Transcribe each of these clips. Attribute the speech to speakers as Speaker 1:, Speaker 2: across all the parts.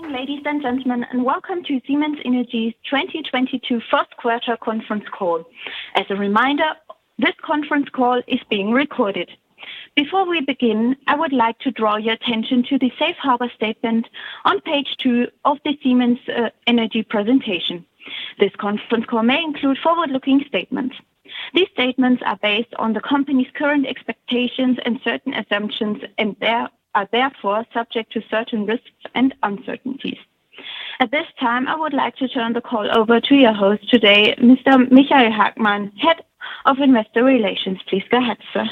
Speaker 1: Good morning, ladies and gentlemen, and welcome to Siemens Energy's 2022 First Quarter Conference Call. As a reminder, this conference call is being recorded. Before we begin, I would like to draw your attention to the safe harbor statement on page two of the Siemens Energy presentation. This conference call may include forward-looking statements. These statements are based on the company's current expectations and certain assumptions, and are therefore subject to certain risks and uncertainties. At this time, I would like to turn the call over to your host today, Mr. Michael Hagmann, Head of Investor Relations. Please go ahead, sir.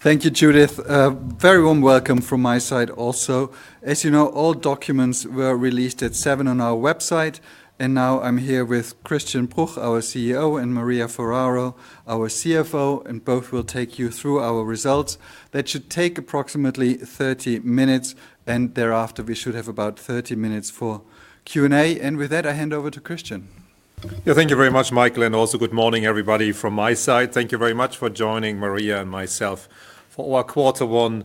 Speaker 2: Thank you, Judith. Very warm welcome from my side also. As you know, all documents were released at seven on our website, and now I'm here with Christian Bruch, our CEO, and Maria Ferraro, our CFO, and both will take you through our results. That should take approximately 30 minutes, and thereafter we should have about 30 minutes for Q&A. With that, I hand over to Christian.
Speaker 3: Yeah, thank you very much, Michael, and also good morning, everybody from my side. Thank you very much for joining Maria and myself for our quarter one,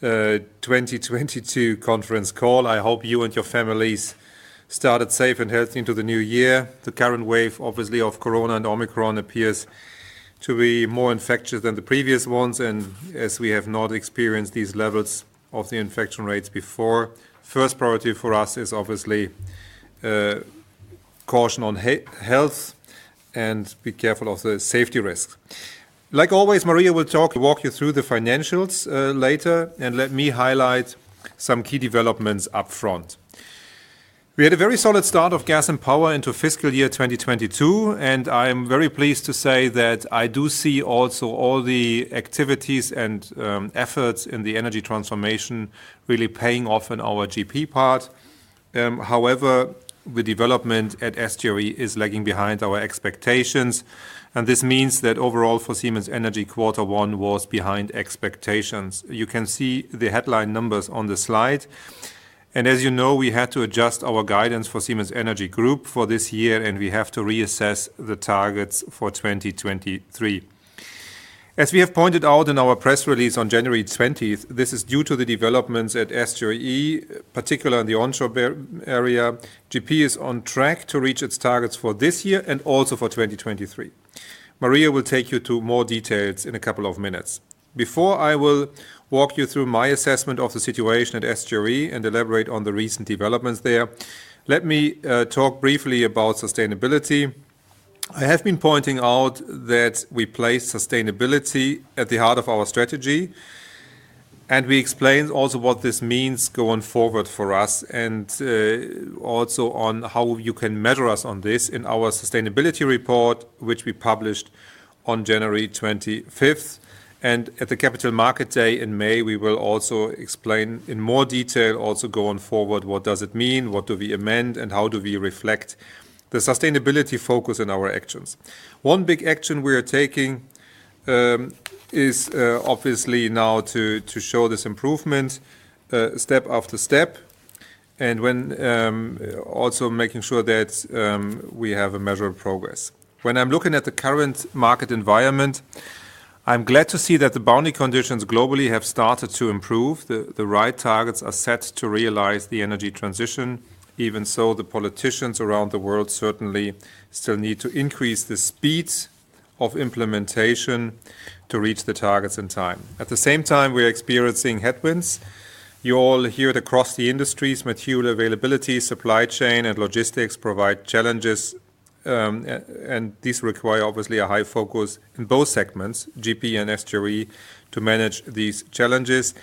Speaker 3: 2022 conference call. I hope you and your families started safe and healthy into the new year. The current wave, obviously, of Corona and Omicron appears to be more infectious than the previous ones. As we have not experienced these levels of the infection rates before, first priority for us is obviously caution on health and be careful of the safety risks. Like always, Maria will walk you through the financials later, and let me highlight some key developments up front. We had a very solid start of Gas and Power into fiscal year 2022, and I am very pleased to say that I do see also all the activities and efforts in the energy transformation really paying off in our GP part. However, the development at SGRE is lagging behind our expectations, and this means that overall for Siemens Energy, quarter one was behind expectations. You can see the headline numbers on the slide. As you know, we had to adjust our guidance for Siemens Energy Group for this year, and we have to reassess the targets for 2023. As we have pointed out in our press release on January 20th, this is due to the developments at SGRE, particularly in the onshore area. GP is on track to reach its targets for this year and also for 2023. Maria will take you to more details in a couple of minutes. Before I will walk you through my assessment of the situation at SGRE and elaborate on the recent developments there, let me talk briefly about sustainability. I have been pointing out that we place sustainability at the heart of our strategy, and we explain also what this means going forward for us and also on how you can measure us on this in our sustainability report, which we published on January 25th. At the Capital Market Day in May, we will also explain in more detail also going forward, what does it mean, what do we amend, and how do we reflect the sustainability focus in our actions. One big action we are taking is obviously now to show this improvement step after step and also making sure that we have a measure of progress. When I'm looking at the current market environment, I'm glad to see that the boundary conditions globally have started to improve. The right targets are set to realize the energy transition. Even so, the politicians around the world certainly still need to increase the speed of implementation to reach the targets in time. At the same time, we are experiencing headwinds. You all hear it across the industries. Material availability, supply chain, and logistics provide challenges, and these require obviously a high focus in both segments, GP and SGRE, to manage these challenges.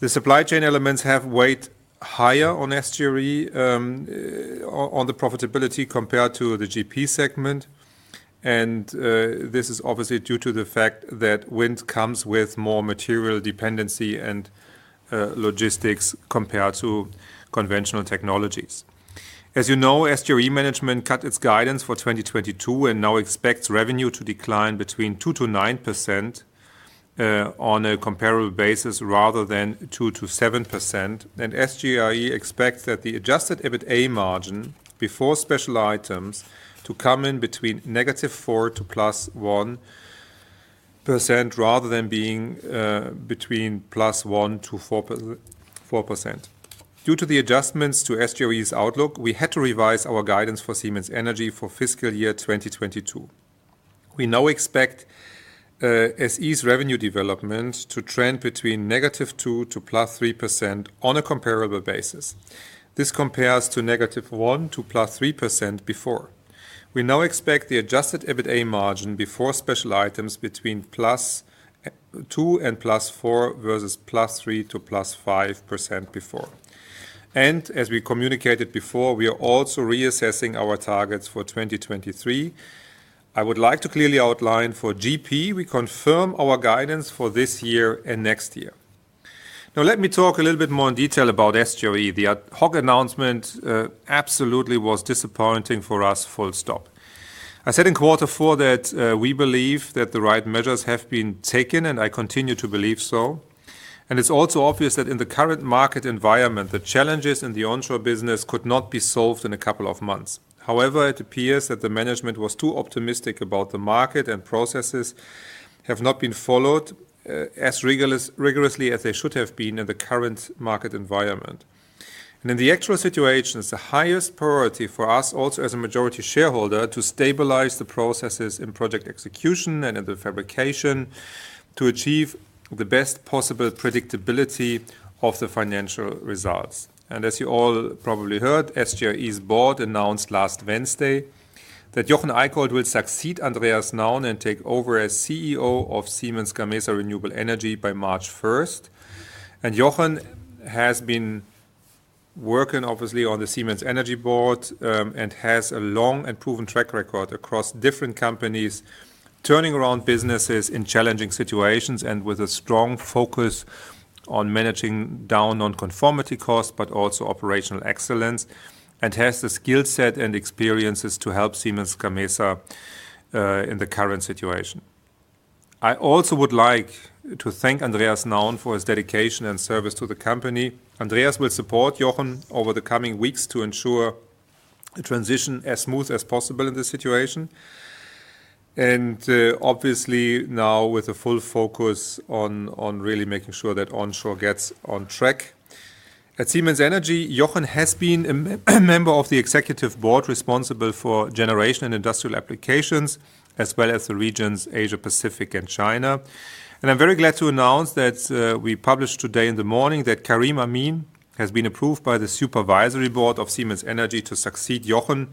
Speaker 3: The supply chain elements have weighed higher on SGRE, on the profitability compared to the GP segment. This is obviously due to the fact that wind comes with more material dependency and logistics compared to conventional technologies. As you know, SGRE management cut its guidance for 2022 and now expects revenue to decline between 2%-9% on a comparable basis rather than 2%-7%. SGRE expects that the adjusted EBITA margin before special items to come in between -4% to +1% rather than being between +1%-4%. Due to the adjustments to SGRE's outlook, we had to revise our guidance for Siemens Energy for fiscal year 2022. We now expect SE's revenue development to trend between -2%- +3% on a comparable basis. This compares to -1%-+3% before. We now expect the adjusted EBITA margin before special items between +2%-+4% versus +3%-+5% before. As we communicated before, we are also reassessing our targets for 2023. I would like to clearly outline for GP. We confirm our guidance for this year and next year. Now let me talk a little bit more in detail about SGRE. The ad hoc announcement absolutely was disappointing for us, full stop. I said in quarter four that we believe that the right measures have been taken, and I continue to believe so. It's also obvious that in the current market environment, the challenges in the onshore business could not be solved in a couple of months. However, it appears that the management was too optimistic about the market, and processes have not been followed as rigorously as they should have been in the current market environment. In the actual situation, it's the highest priority for us also as a majority shareholder to stabilize the processes in project execution and in the fabrication to achieve the best possible predictability of the financial results. As you all probably heard, SGRE's board announced last Wednesday that Jochen Eickholt will succeed Andreas Nauen and take over as CEO of Siemens Gamesa Renewable Energy by March first. Jochen has been working obviously on the Siemens Energy board, and has a long and proven track record across different companies, turning around businesses in challenging situations and with a strong focus on managing down on conformity costs, but also operational excellence, and has the skill set and experiences to help Siemens Gamesa in the current situation. I also would like to thank Andreas Nauen for his dedication and service to the company. Andreas will support Jochen over the coming weeks to ensure the transition as smooth as possible in this situation, and obviously now with a full focus on really making sure that onshore gets on track. At Siemens Energy, Jochen has been a member of the executive board responsible for Generation and Industrial Applications as well as the regions Asia Pacific and China. I'm very glad to announce that we published today in the morning that Karim Amin has been approved by the supervisory board of Siemens Energy to succeed Jochen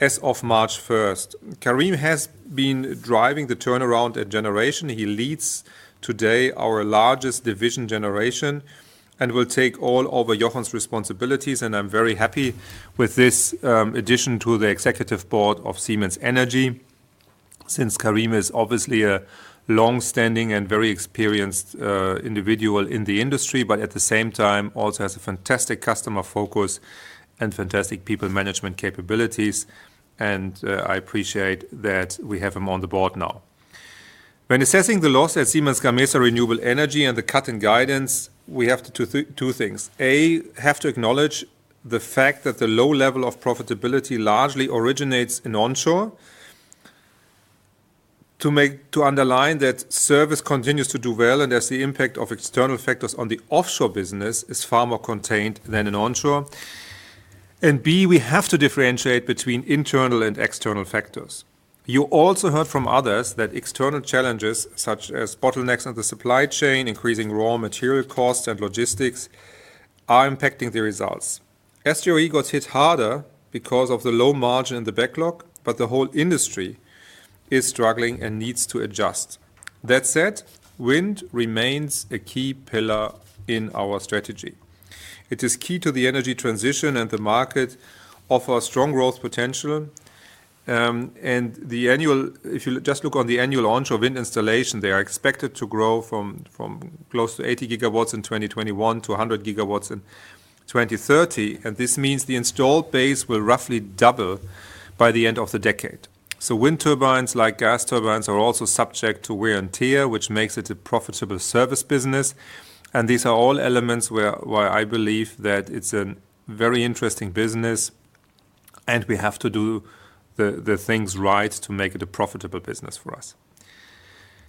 Speaker 3: as of March first. Karim has been driving the turnaround at Generation. He leads today our largest division Generation and will take over Jochen's responsibilities, and I'm very happy with this addition to the executive board of Siemens Energy since Karim is obviously a long-standing and very experienced individual in the industry, but at the same time also has a fantastic customer focus and fantastic people management capabilities, and I appreciate that we have him on the board now. When assessing the loss at Siemens Gamesa Renewable Energy and the cut in guidance, we have to do two things. A, have to acknowledge the fact that the low level of profitability largely originates in onshore. To underline that service continues to do well and as the impact of external factors on the offshore business is far more contained than in onshore. B, we have to differentiate between internal and external factors. You also heard from others that external challenges such as bottlenecks in the supply chain, increasing raw material costs and logistics are impacting the results. SGRE got hit harder because of the low margin in the backlog, but the whole industry is struggling and needs to adjust. That said, wind remains a key pillar in our strategy. It is key to the energy transition and the market offer strong growth potential. If you just look on the annual onshore wind installation, they are expected to grow from close to 80 GW in 2021 to 100 GW in 2030, and this means the installed base will roughly double by the end of the decade. Wind turbines like gas turbines are also subject to wear and tear, which makes it a profitable service business. These are all elements where I believe that it's a very interesting business, and we have to do the things right to make it a profitable business for us.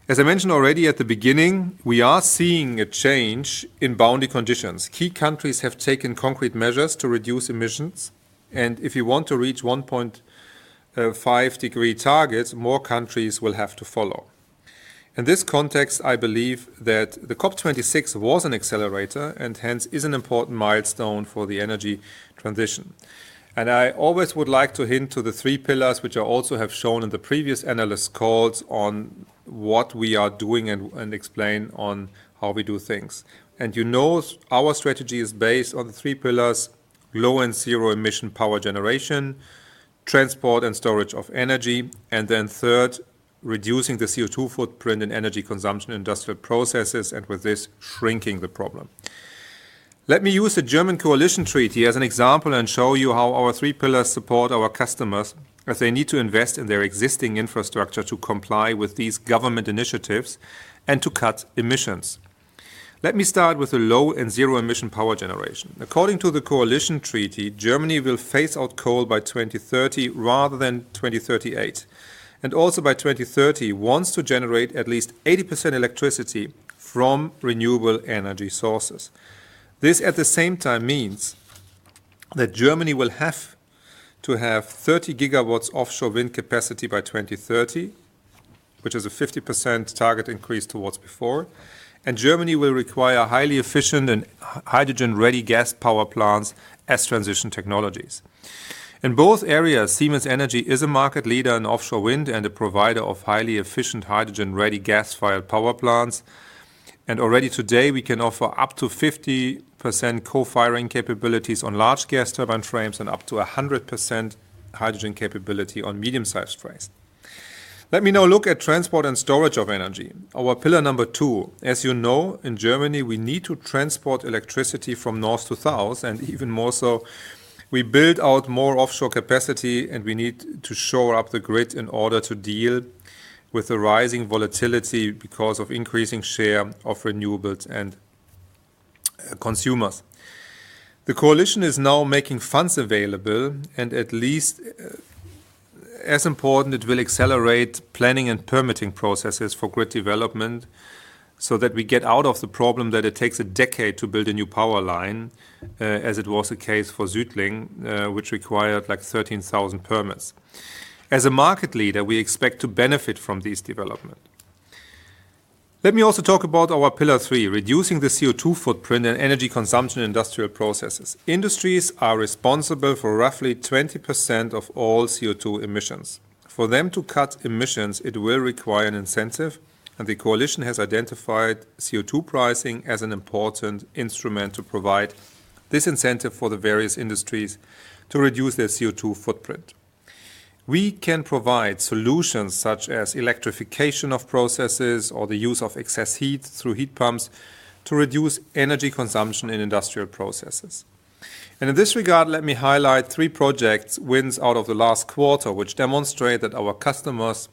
Speaker 3: As I mentioned already at the beginning, we are seeing a change in boundary conditions. Key countries have taken concrete measures to reduce emissions, and if you want to reach 1.5-degree targets, more countries will have to follow. In this context, I believe that the COP26 was an accelerator and hence is an important milestone for the energy transition. I always would like to hint to the three pillars, which I also have shown in the previous analyst calls on what we are doing and explain on how we do things. You know our strategy is based on three pillars: low and zero emission power generation, transport and storage of energy, and then third, reducing the CO2 footprint and energy consumption in industrial processes and with this shrinking the problem. Let me use the German coalition treaty as an example and show you how our three pillars support our customers as they need to invest in their existing infrastructure to comply with these government initiatives and to cut emissions. Let me start with the low and zero emission power generation. According to the coalition treaty, Germany will phase out coal by 2030 rather than 2038, and also by 2030 wants to generate at least 80% electricity from renewable energy sources. This at the same time means that Germany will have to have 30 GW offshore wind capacity by 2030, which is a 50% target increase from before, and Germany will require highly efficient and hydrogen-ready gas power plants as transition technologies. In both areas, Siemens Energy is a market leader in offshore wind and a provider of highly efficient hydrogen-ready gas-fired power plants. Already today, we can offer up to 50% co-firing capabilities on large gas turbine frames and up to 100% hydrogen capability on medium-sized frames. Let me now look at transport and storage of energy, our pillar number two. As you know, in Germany, we need to transport electricity from north to south, and even more so, we build out more offshore capacity, and we need to shore up the grid in order to deal with the rising volatility because of increasing share of renewables and consumers. The coalition is now making funds available and at least as important, it will accelerate planning and permitting processes for grid development so that we get out of the problem that it takes a decade to build a new power line, as it was the case for SuedLink, which required like 13,000 permits. As a market leader, we expect to benefit from these development. Let me also talk about our pillar three, reducing the CO2 footprint and energy consumption in industrial processes. Industries are responsible for roughly 20% of all CO2 emissions. For them to cut emissions, it will require an incentive, and the coalition has identified CO2 pricing as an important instrument to provide this incentive for the various industries to reduce their CO2 footprint. We can provide solutions such as electrification of processes or the use of excess heat through heat pumps to reduce energy consumption in industrial processes. In this regard, let me highlight three projects wins out of the last quarter, which demonstrate that our customers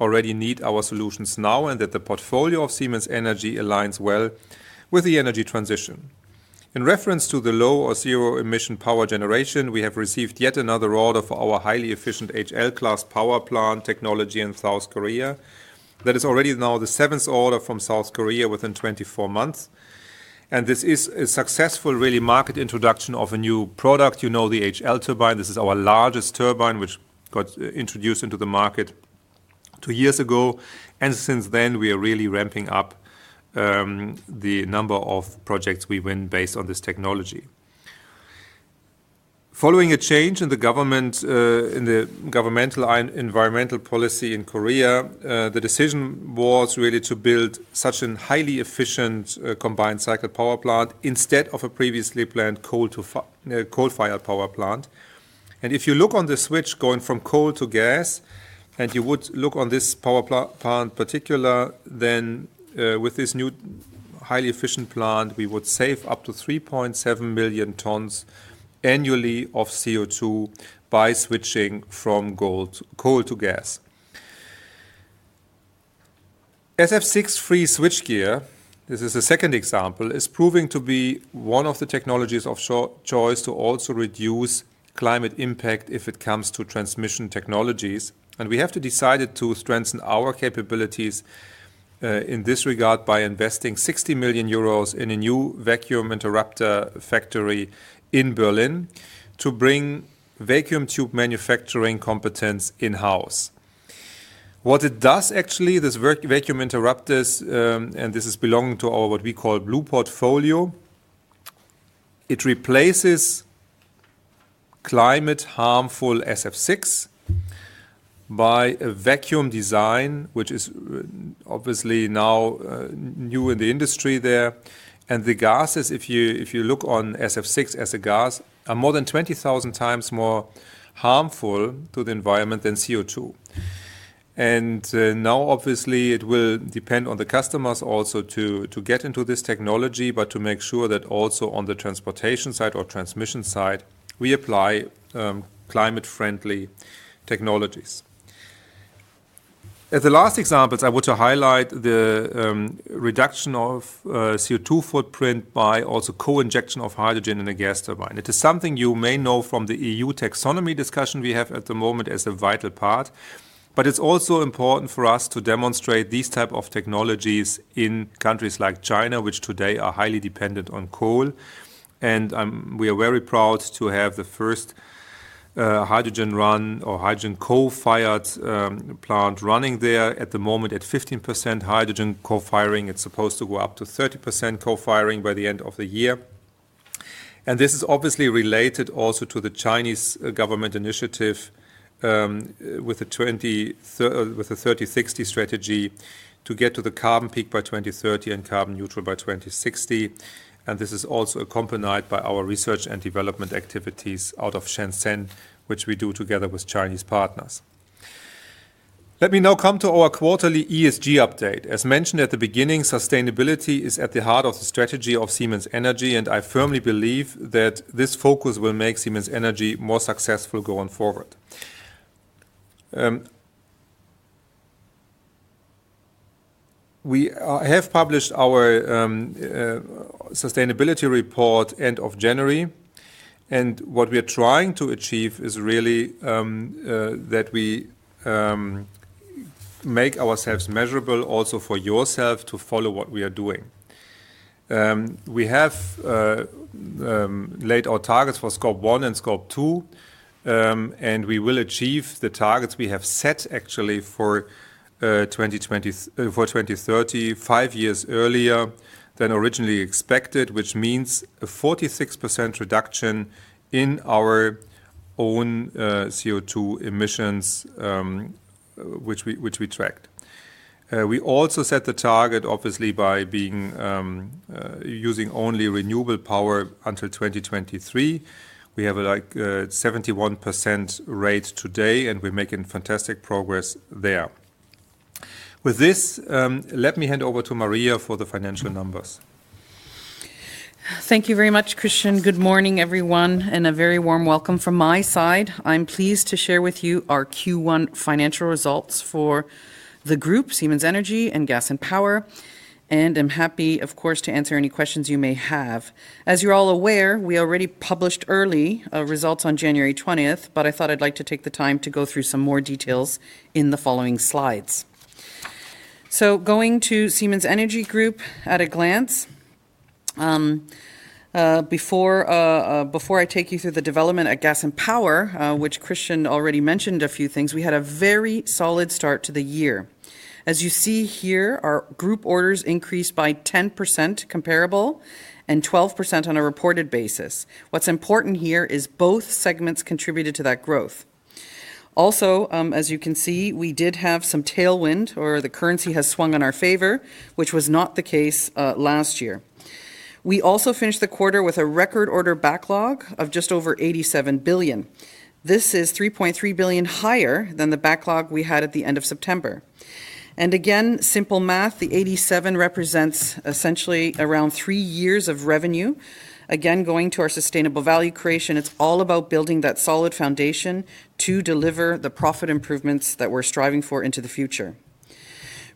Speaker 3: already need our solutions now and that the portfolio of Siemens Energy aligns well with the energy transition. In reference to the low or zero-emission power generation, we have received yet another order for our highly efficient HL-class power plant technology in South Korea. That is already now the seventh order from South Korea within 24 months. This is a successful, really, market introduction of a new product. You know the HL turbine. This is our largest turbine, which got introduced into the market two years ago. Since then, we are really ramping up the number of projects we win based on this technology. Following a change in the governmental and environmental policy in Korea, the decision was really to build such a highly efficient combined cycle power plant instead of a previously planned coal-fired power plant. If you look on the switch going from coal to gas, and you would look on this power plant particular, then with this new highly efficient plant, we would save up to 3.7 million tons annually of CO2 by switching from coal to gas. SF6-free switchgear, this is the second example, is proving to be one of the technologies of choice to also reduce climate impact if it comes to transmission technologies. We have to decide to strengthen our capabilities in this regard by investing 60 million euros in a new vacuum interrupter factory in Berlin to bring vacuum tube manufacturing competence in-house. What it does actually, this vacuum interrupters, and this is belonging to our what we call Blue Portfolio, it replaces climate harmful SF6 by a vacuum design, which is obviously now new in the industry there. The gases, if you look on SF6 as a gas, are more than 20,000 times more harmful to the environment than CO2. Now obviously it will depend on the customers also to get into this technology, but to make sure that also on the transportation side or transmission side, we apply climate-friendly technologies. As the last example, I want to highlight the reduction of CO2 footprint by also co-injection of hydrogen in a gas turbine. It is something you may know from the EU taxonomy discussion we have at the moment as a vital part. But it's also important for us to demonstrate these type of technologies in countries like China, which today are highly dependent on coal. We are very proud to have the first hydrogen-run or hydrogen coal-fired plant running there at the moment at 15% hydrogen co-firing. It's supposed to go up to 30% co-firing by the end of the year. This is obviously related also to the Chinese government initiative, with the 30/60 strategy to get to the carbon peak by 2030 and carbon neutral by 2060. This is also accompanied by our research and development activities out of Shenzhen, which we do together with Chinese partners. Let me now come to our quarterly ESG update. As mentioned at the beginning, sustainability is at the heart of the strategy of Siemens Energy, and I firmly believe that this focus will make Siemens Energy more successful going forward. We have published our sustainability report end of January, and what we are trying to achieve is that we make ourselves measurable also for yourself to follow what we are doing. We have laid out our targets for Scope 1 and Scope 2, and we will achieve the targets we have set actually for 2030, five years earlier than originally expected, which means a 46% reduction in our own CO2 emissions, which we tracked. We also set the target obviously by using only renewable power until 2023. We have, like, a 71% rate today, and we're making fantastic progress there. With this, let me hand over to Maria for the financial numbers.
Speaker 4: Thank you very much, Christian. Good morning, everyone, and a very warm welcome from my side. I'm pleased to share with you our Q1 financial results for the group, Siemens Energy and Gas and Power. I'm happy, of course, to answer any questions you may have. As you're all aware, we already published early results on January 20th, but I thought I'd like to take the time to go through some more details in the following slides. Going to Siemens Energy Group at a glance, before I take you through the development at Gas and Power, which Christian already mentioned a few things, we had a very solid start to the year. As you see here, our group orders increased by 10% comparable and 12% on a reported basis. What's important here is both segments contributed to that growth. As you can see, we did have some tailwind or the currency has swung in our favor, which was not the case last year. We also finished the quarter with a record order backlog of just over 87 billion. This is 3.3 billion higher than the backlog we had at the end of September. Again, simple math, the 87 represents essentially around three years of revenue. Again, going to our sustainable value creation, it's all about building that solid foundation to deliver the profit improvements that we're striving for into the future.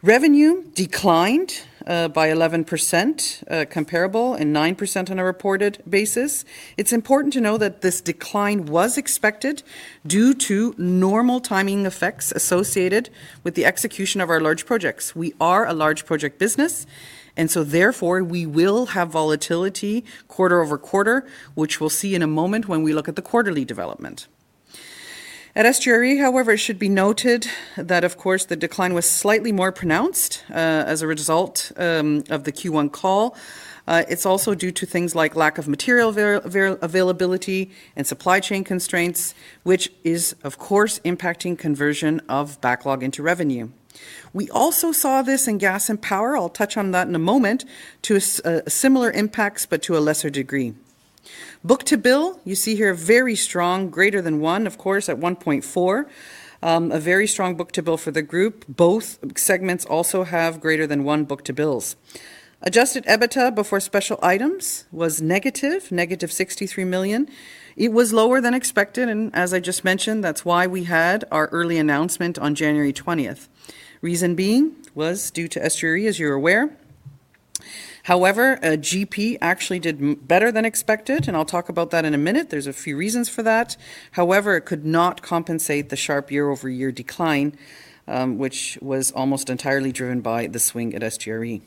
Speaker 4: Revenue declined by 11% comparable and 9% on a reported basis. It's important to know that this decline was expected due to normal timing effects associated with the execution of our large projects. We are a large project business, and so therefore, we will have volatility quarter over quarter, which we'll see in a moment when we look at the quarterly development. At SGRE, however, it should be noted that of course, the decline was slightly more pronounced as a result of the Q1 call. It's also due to things like lack of material availability and supply chain constraints, which is of course impacting conversion of backlog into revenue. We also saw this in Gas and Power. I'll touch on that in a moment to similar impacts, but to a lesser degree. Book-to-bill, you see here a very strong greater than one, of course, at 1.4. A very strong book-to-bill for the group. Both segments also have greater than one book-to-bills. Adjusted EBITDA before special items was -63 million. It was lower than expected, and as I just mentioned, that's why we had our early announcement on January twentieth. Reason being was due to SGRE, as you're aware. However, GP actually did better than expected, and I'll talk about that in a minute. There's a few reasons for that. However, it could not compensate the sharp year-over-year decline, which was almost entirely driven by the swing at SGRE.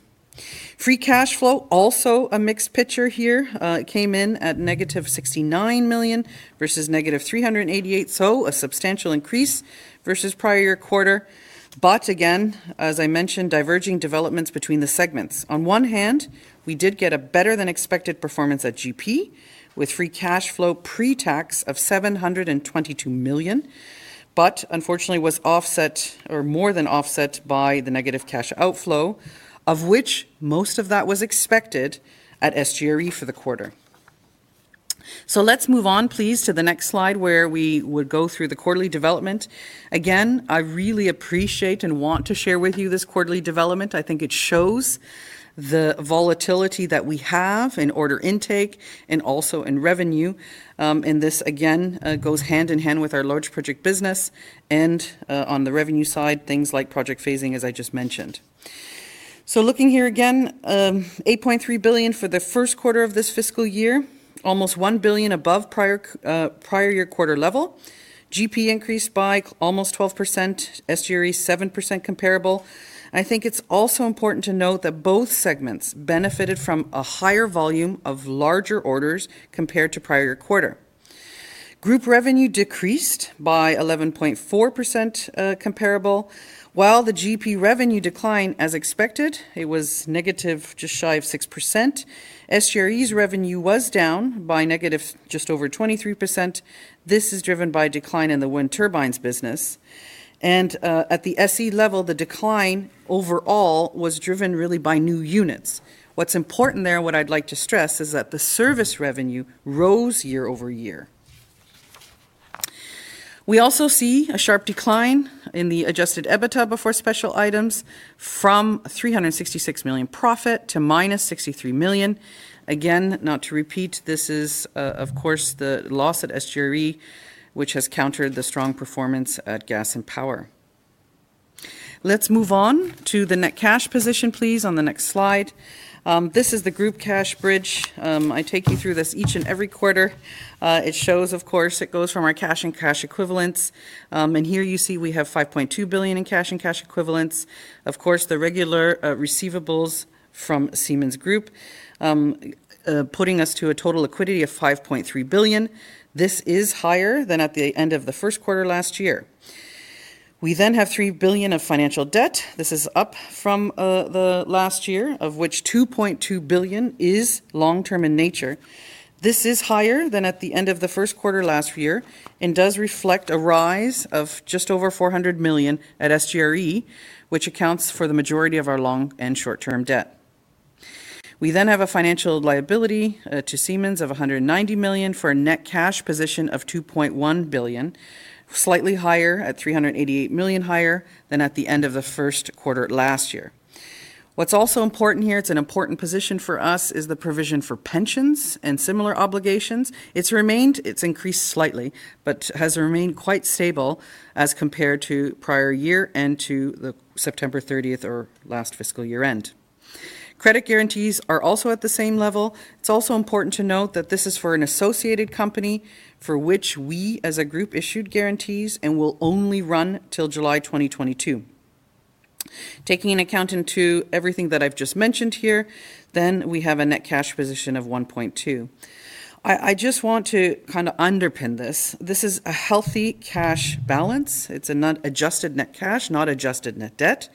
Speaker 4: Free cash flow, also a mixed picture here. It came in at -69 million versus -388 million, so a substantial increase versus prior quarter. Again, as I mentioned, diverging developments between the segments. On one hand, we did get a better than expected performance at GP with free cash flow pre-tax of 722 million, but unfortunately was offset or more than offset by the negative cash outflow, of which most of that was expected at SGRE for the quarter. Let's move on, please, to the next slide, where we would go through the quarterly development. Again, I really appreciate and want to share with you this quarterly development. I think it shows the volatility that we have in order intake and also in revenue. This again goes hand in hand with our large project business and, on the revenue side, things like project phasing, as I just mentioned. Looking here again, 8.3 billion for the first quarter of this fiscal year, almost 1 billion above prior year quarter level. GP increased by almost 12%, SGRE 7% comparable. I think it's also important to note that both segments benefited from a higher volume of larger orders compared to prior quarter. Group revenue decreased by 11.4%, comparable. While the GP revenue declined as expected, it was negative just shy of 6%. SGRE's revenue was down by negative just over 23%. This is driven by a decline in the wind turbines business. At the SE level, the decline overall was driven really by new units. What's important there, what I'd like to stress is that the service revenue rose year-over-year. We also see a sharp decline in the adjusted EBITDA before special items from 366 million profit to -63 million. Again, not to repeat, this is, of course, the loss at SGRE, which has countered the strong performance at Gas and Power. Let's move on to the net cash position, please, on the next slide. This is the group cash bridge. I take you through this each and every quarter. It shows, of course, it goes from our cash and cash equivalents. And here you see we have 5.2 billion in cash and cash equivalents. Of course, the regular receivables from Siemens Group, putting us to a total liquidity of 5.3 billion. This is higher than at the end of the first quarter last year. We then have 3 billion of financial debt. This is up from the last year, of which 2.2 billion is long-term in nature. This is higher than at the end of the first quarter last year and does reflect a rise of just over 400 million at SGRE, which accounts for the majority of our long and short-term debt. We then have a financial liability to Siemens of 190 million for a net cash position of 2.1 billion, slightly higher at 388 million higher than at the end of the first quarter last year. What's also important here, it's an important position for us, is the provision for pensions and similar obligations. It's increased slightly, but has remained quite stable as compared to prior year and to the September 30th or last fiscal year end. Credit guarantees are also at the same level. It's also important to note that this is for an associated company for which we as a group issued guarantees and will only run till July 2022. Taking into account everything that I've just mentioned here, then we have a net cash position of 1.2 billion. I just want to kinda underpin this. This is a healthy cash balance. It's unadjusted net cash, unadjusted net debt,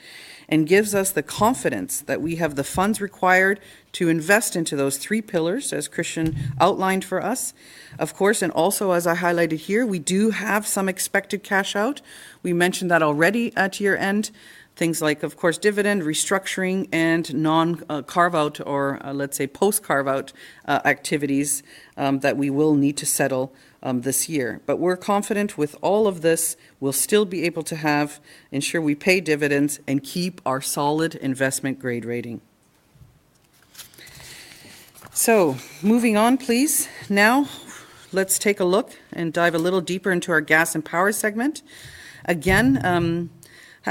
Speaker 4: and gives us the confidence that we have the funds required to invest into those three pillars, as Christian outlined for us. Of course, and also as I highlighted here, we do have some expected cash out. We mentioned that already to you. And things like, of course, dividend restructuring and non-carve-out or, let's say, post-carve-out activities that we will need to settle this year. We're confident with all of this, we'll still be able to ensure we pay dividends and keep our solid investment grade rating. Moving on, please. Now let's take a look and dive a little deeper into our Gas and Power segment. Again,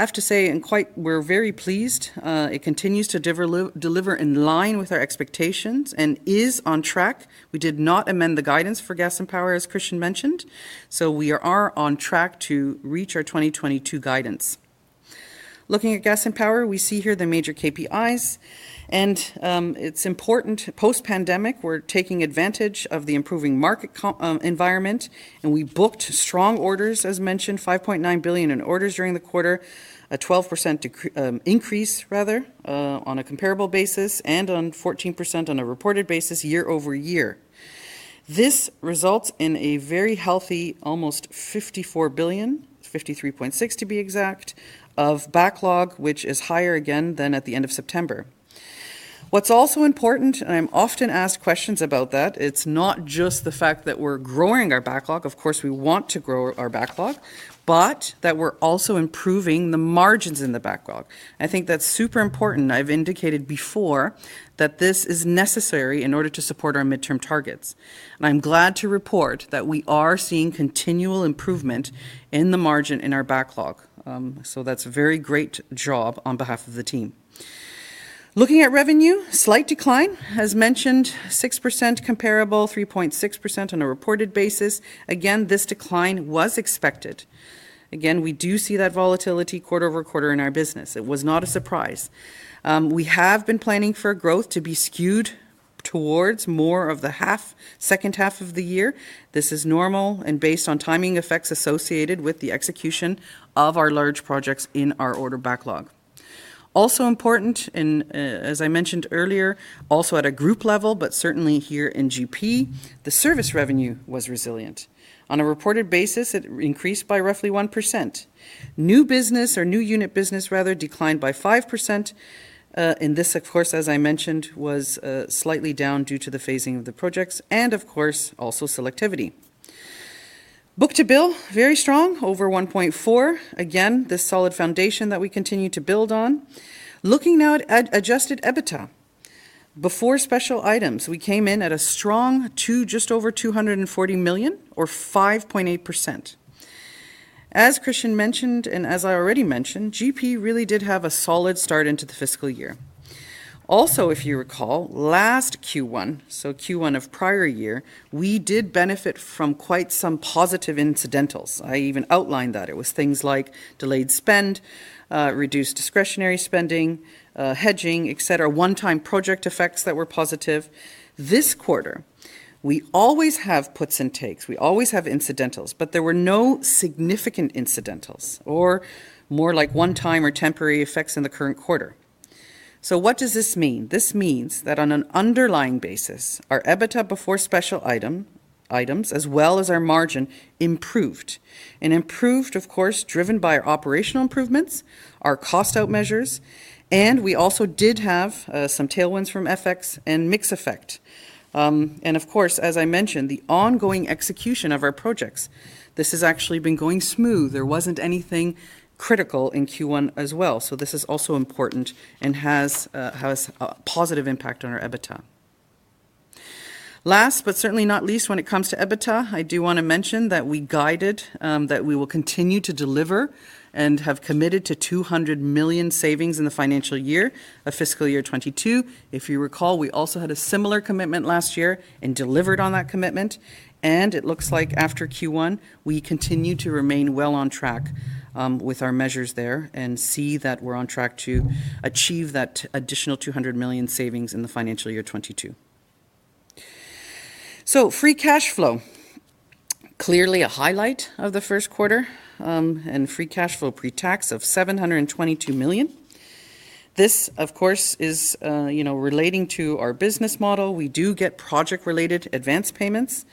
Speaker 4: have to say, we're very pleased, it continues to deliver in line with our expectations and is on track. We did not amend the guidance for Gas and Power, as Christian mentioned, so we are on track to reach our 2022 guidance. Looking at Gas and Power, we see here the major KPIs, and it's important post-pandemic, we're taking advantage of the improving market environment, and we booked strong orders, as mentioned, 5.9 billion in orders during the quarter, a 12% increase rather on a comparable basis and on 14% on a reported basis year-over-year. This results in a very healthy almost 54 billion, 53.6 billion to be exact, of backlog, which is higher again than at the end of September. What's also important, and I'm often asked questions about that, it's not just the fact that we're growing our backlog. Of course, we want to grow our backlog, but that we're also improving the margins in the backlog. I think that's super important. I've indicated before that this is necessary in order to support our mid-term targets. I'm glad to report that we are seeing continual improvement in the margin in our backlog. So that's a very great job on behalf of the team. Looking at revenue, slight decline, as mentioned, 6% comparable, 3.6% on a reported basis. Again, this decline was expected. Again, we do see that volatility quarter-over-quarter in our business. It was not a surprise. We have been planning for growth to be skewed towards more of the half, second half of the year. This is normal and based on timing effects associated with the execution of our large projects in our order backlog. Also important in, as I mentioned earlier, also at a group level, but certainly here in GP, the service revenue was resilient. On a reported basis, it increased by roughly 1%. New business or new unit business rather declined by 5%. This of course, as I mentioned, was slightly down due to the phasing of the projects and of course also selectivity. Book-to-bill, very strong, over 1.4. Again, this solid foundation that we continue to build on. Looking now at adjusted EBITDA. Before special items, we came in at a strong two, just over 240 million or 5.8%. As Christian mentioned and as I already mentioned, GP really did have a solid start into the fiscal year. Also, if you recall last Q1, so Q1 of prior year, we did benefit from quite some positive incidentals. I even outlined that it was things like delayed spend, reduced discretionary spending, hedging, etc. One-time project effects that were positive. This quarter, we always have puts and takes. We always have incidentals, but there were no significant incidentals or more like one-time or temporary effects in the current quarter. What does this mean? This means that on an underlying basis, our EBITDA before special items as well as our margin improved, of course, driven by our operational improvements, our cost out measures, and we also did have some tailwinds from FX and mix effect. Of course, as I mentioned, the ongoing execution of our projects, this has actually been going smooth. There wasn't anything critical in Q1 as well. This is also important and has a positive impact on our EBITDA. Last but certainly not least when it comes to EBITDA, I do wanna mention that we guided that we will continue to deliver and have committed to 200 million savings in the financial year of fiscal year 2022. If you recall, we also had a similar commitment last year and delivered on that commitment, and it looks like after Q1, we continue to remain well on track with our measures there and see that we're on track to achieve that additional 200 million savings in the financial year 2022. Free cash flow, clearly a highlight of the first quarter, and free cash flow pre-tax of 722 million. This of course is, you know, relating to our business model. We do get project-related advance payments.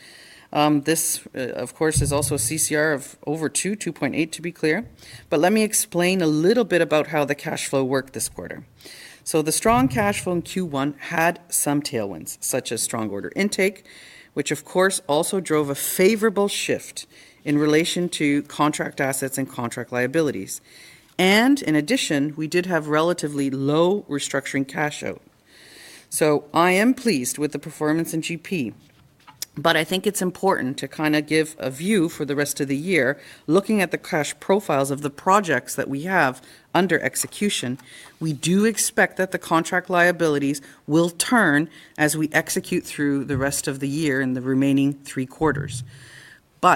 Speaker 4: This, of course, is also CCR of over 2.8% to be clear. Let me explain a little bit about how the cash flow worked this quarter. The strong cash flow in Q1 had some tailwinds, such as strong order intake, which of course also drove a favorable shift in relation to contract assets and contract liabilities. In addition, we did have relatively low restructuring cash out. I am pleased with the performance in GP. I think it's important to kind of give a view for the rest of the year. Looking at the cash profiles of the projects that we have under execution, we do expect that the contract liabilities will turn as we execute through the rest of the year in the remaining three quarters.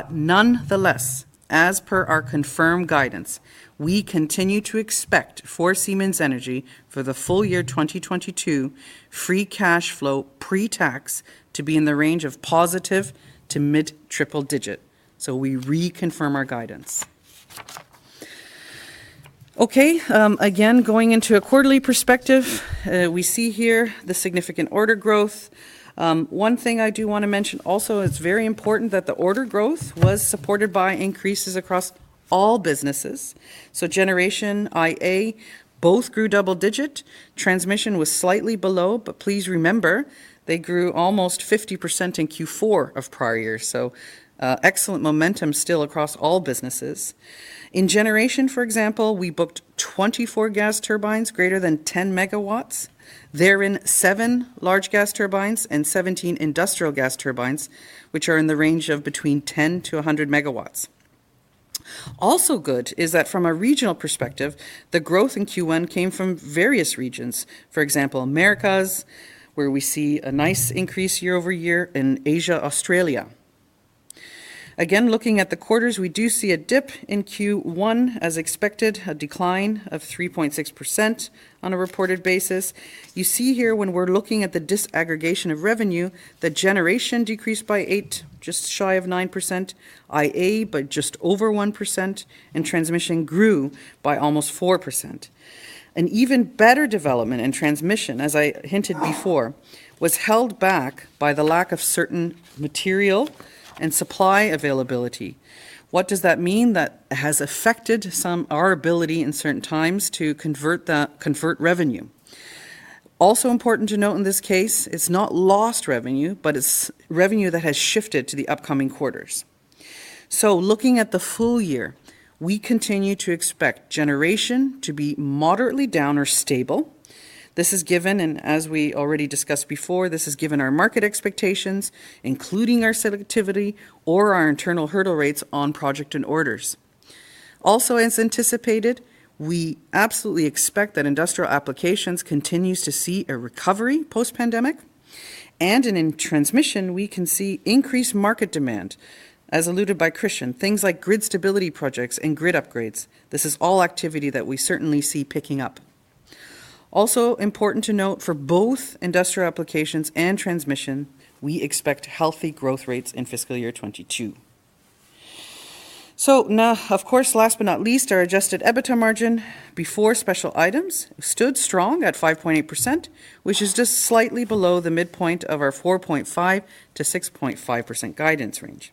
Speaker 4: Nonetheless, as per our confirmed guidance, we continue to expect for Siemens Energy for the full year 2022 free cash flow pre-tax to be in the range of positive to mid triple digit. We reconfirm our guidance. Okay, again, going into a quarterly perspective, we see here the significant order growth. One thing I do want to mention also, it's very important that the order growth was supported by increases across all businesses. Generation, IA both grew double-digit. Transmission was slightly below, but please remember they grew almost 50% in Q4 of prior years. Excellent momentum still across all businesses. In Generation, for example, we booked 24 gas turbines greater than 10 MW. Therein, seven large gas turbines and 17 industrial gas turbines, which are in the range of between 10 MW-100 MW. Also good is that from a regional perspective, the growth in Q1 came from various regions. For example, Americas, where we see a nice increase year-over-year. In Asia, Australia. Again, looking at the quarters, we do see a dip in Q1 as expected, a decline of 3.6% on a reported basis. You see here when we're looking at the disaggregation of revenue, Generation decreased by 8%, just shy of 9%, IA by just over 1%, and Transmission grew by almost 4%. An even better development in Transmission, as I hinted before, was held back by the lack of certain material and supply availability. What does that mean? That has affected our ability in certain times to convert revenue. Important to note in this case, it's not lost revenue, but it's revenue that has shifted to the upcoming quarters. Looking at the full year, we continue to expect Generation to be moderately down or stable. This is given, and as we already discussed before, this is given our market expectations, including our selectivity or our internal hurdle rates on project and orders. As anticipated, we absolutely expect that Industrial Applications continues to see a recovery post-pandemic. In Transmission, we can see increased market demand, as alluded by Christian. Things like grid stability projects and grid upgrades. This is all activity that we certainly see picking up. Important to note for both Industrial Applications and Transmission, we expect healthy growth rates in fiscal year 2022. Now, of course, last but not least, our adjusted EBITDA margin before special items stood strong at 5.8%, which is just slightly below the midpoint of our 4.5%-6.5% guidance range.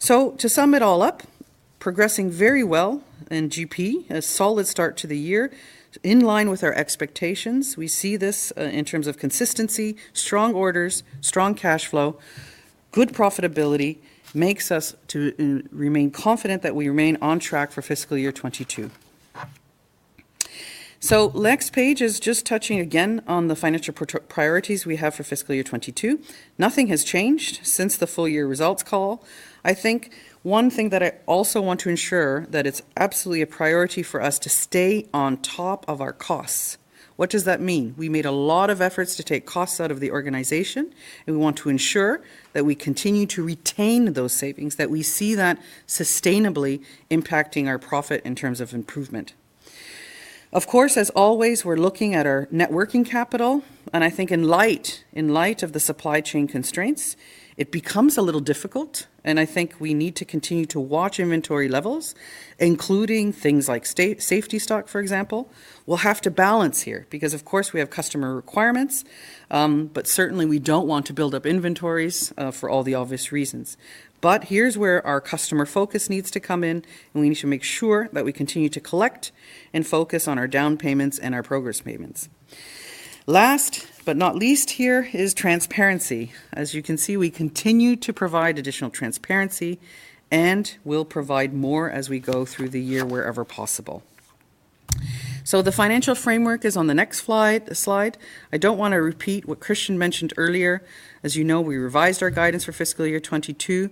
Speaker 4: To sum it all up, progressing very well in GP, a solid start to the year in line with our expectations. We see this in terms of consistency, strong orders, strong cash flow, good profitability. Makes us to remain confident that we remain on track for fiscal year 2022. Next page is just touching again on the financial priorities we have for fiscal year 2022. Nothing has changed since the full year results call. I think one thing that I also want to ensure that it's absolutely a priority for us to stay on top of our costs. What does that mean? We made a lot of efforts to take costs out of the organization, and we want to ensure that we continue to retain those savings, that we see that sustainably impacting our profit in terms of improvement. Of course, as always, we're looking at our net working capital, and I think in light of the supply chain constraints, it becomes a little difficult, and I think we need to continue to watch inventory levels, including things like safety stock, for example. We'll have to balance here because of course we have customer requirements, but certainly we don't want to build up inventories for all the obvious reasons. Here's where our customer focus needs to come in, and we need to make sure that we continue to collect and focus on our down payments and our progress payments. Last but not least here is transparency. As you can see, we continue to provide additional transparency and will provide more as we go through the year wherever possible. The financial framework is on the next slide. I don't want to repeat what Christian mentioned earlier. As you know, we revised our guidance for fiscal year 2022,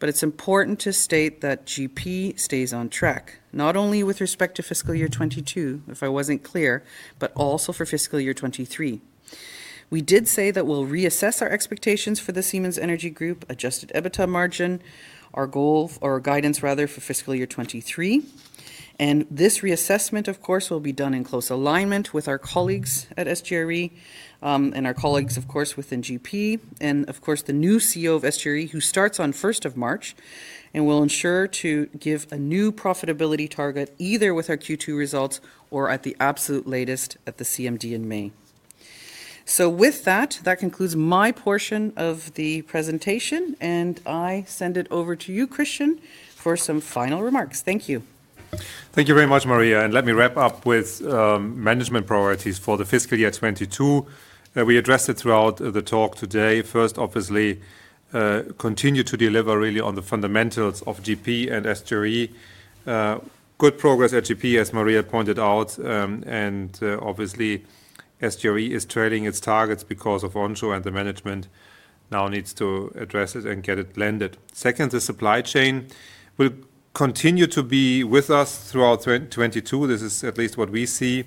Speaker 4: but it's important to state that GP stays on track, not only with respect to fiscal year 2022, if I wasn't clear, but also for fiscal year 2023. We did say that we'll reassess our expectations for the Siemens Energy Group, adjusted EBITDA margin, our goal or guidance rather for fiscal year 2023. This reassessment of course will be done in close alignment with our colleagues at SGRE and our colleagues of course within GP and of course the new CEO of SGRE who starts on first of March and will ensure to give a new profitability target either with our Q2 results or at the absolute latest at the CMD in May. With that concludes my portion of the presentation, and I send it over to you, Christian, for some final remarks. Thank you.
Speaker 3: Thank you very much, Maria, and let me wrap up with management priorities for the fiscal year 2022. We addressed it throughout the talk today. First, obviously, continue to deliver really on the fundamentals of GP and SGRE. Good progress at GP, as Maria pointed out, and obviously SGRE is trailing its targets because of onshore, and the management now needs to address it and get it blended. Second, the supply chain will continue to be with us throughout 2022. This is at least what we see.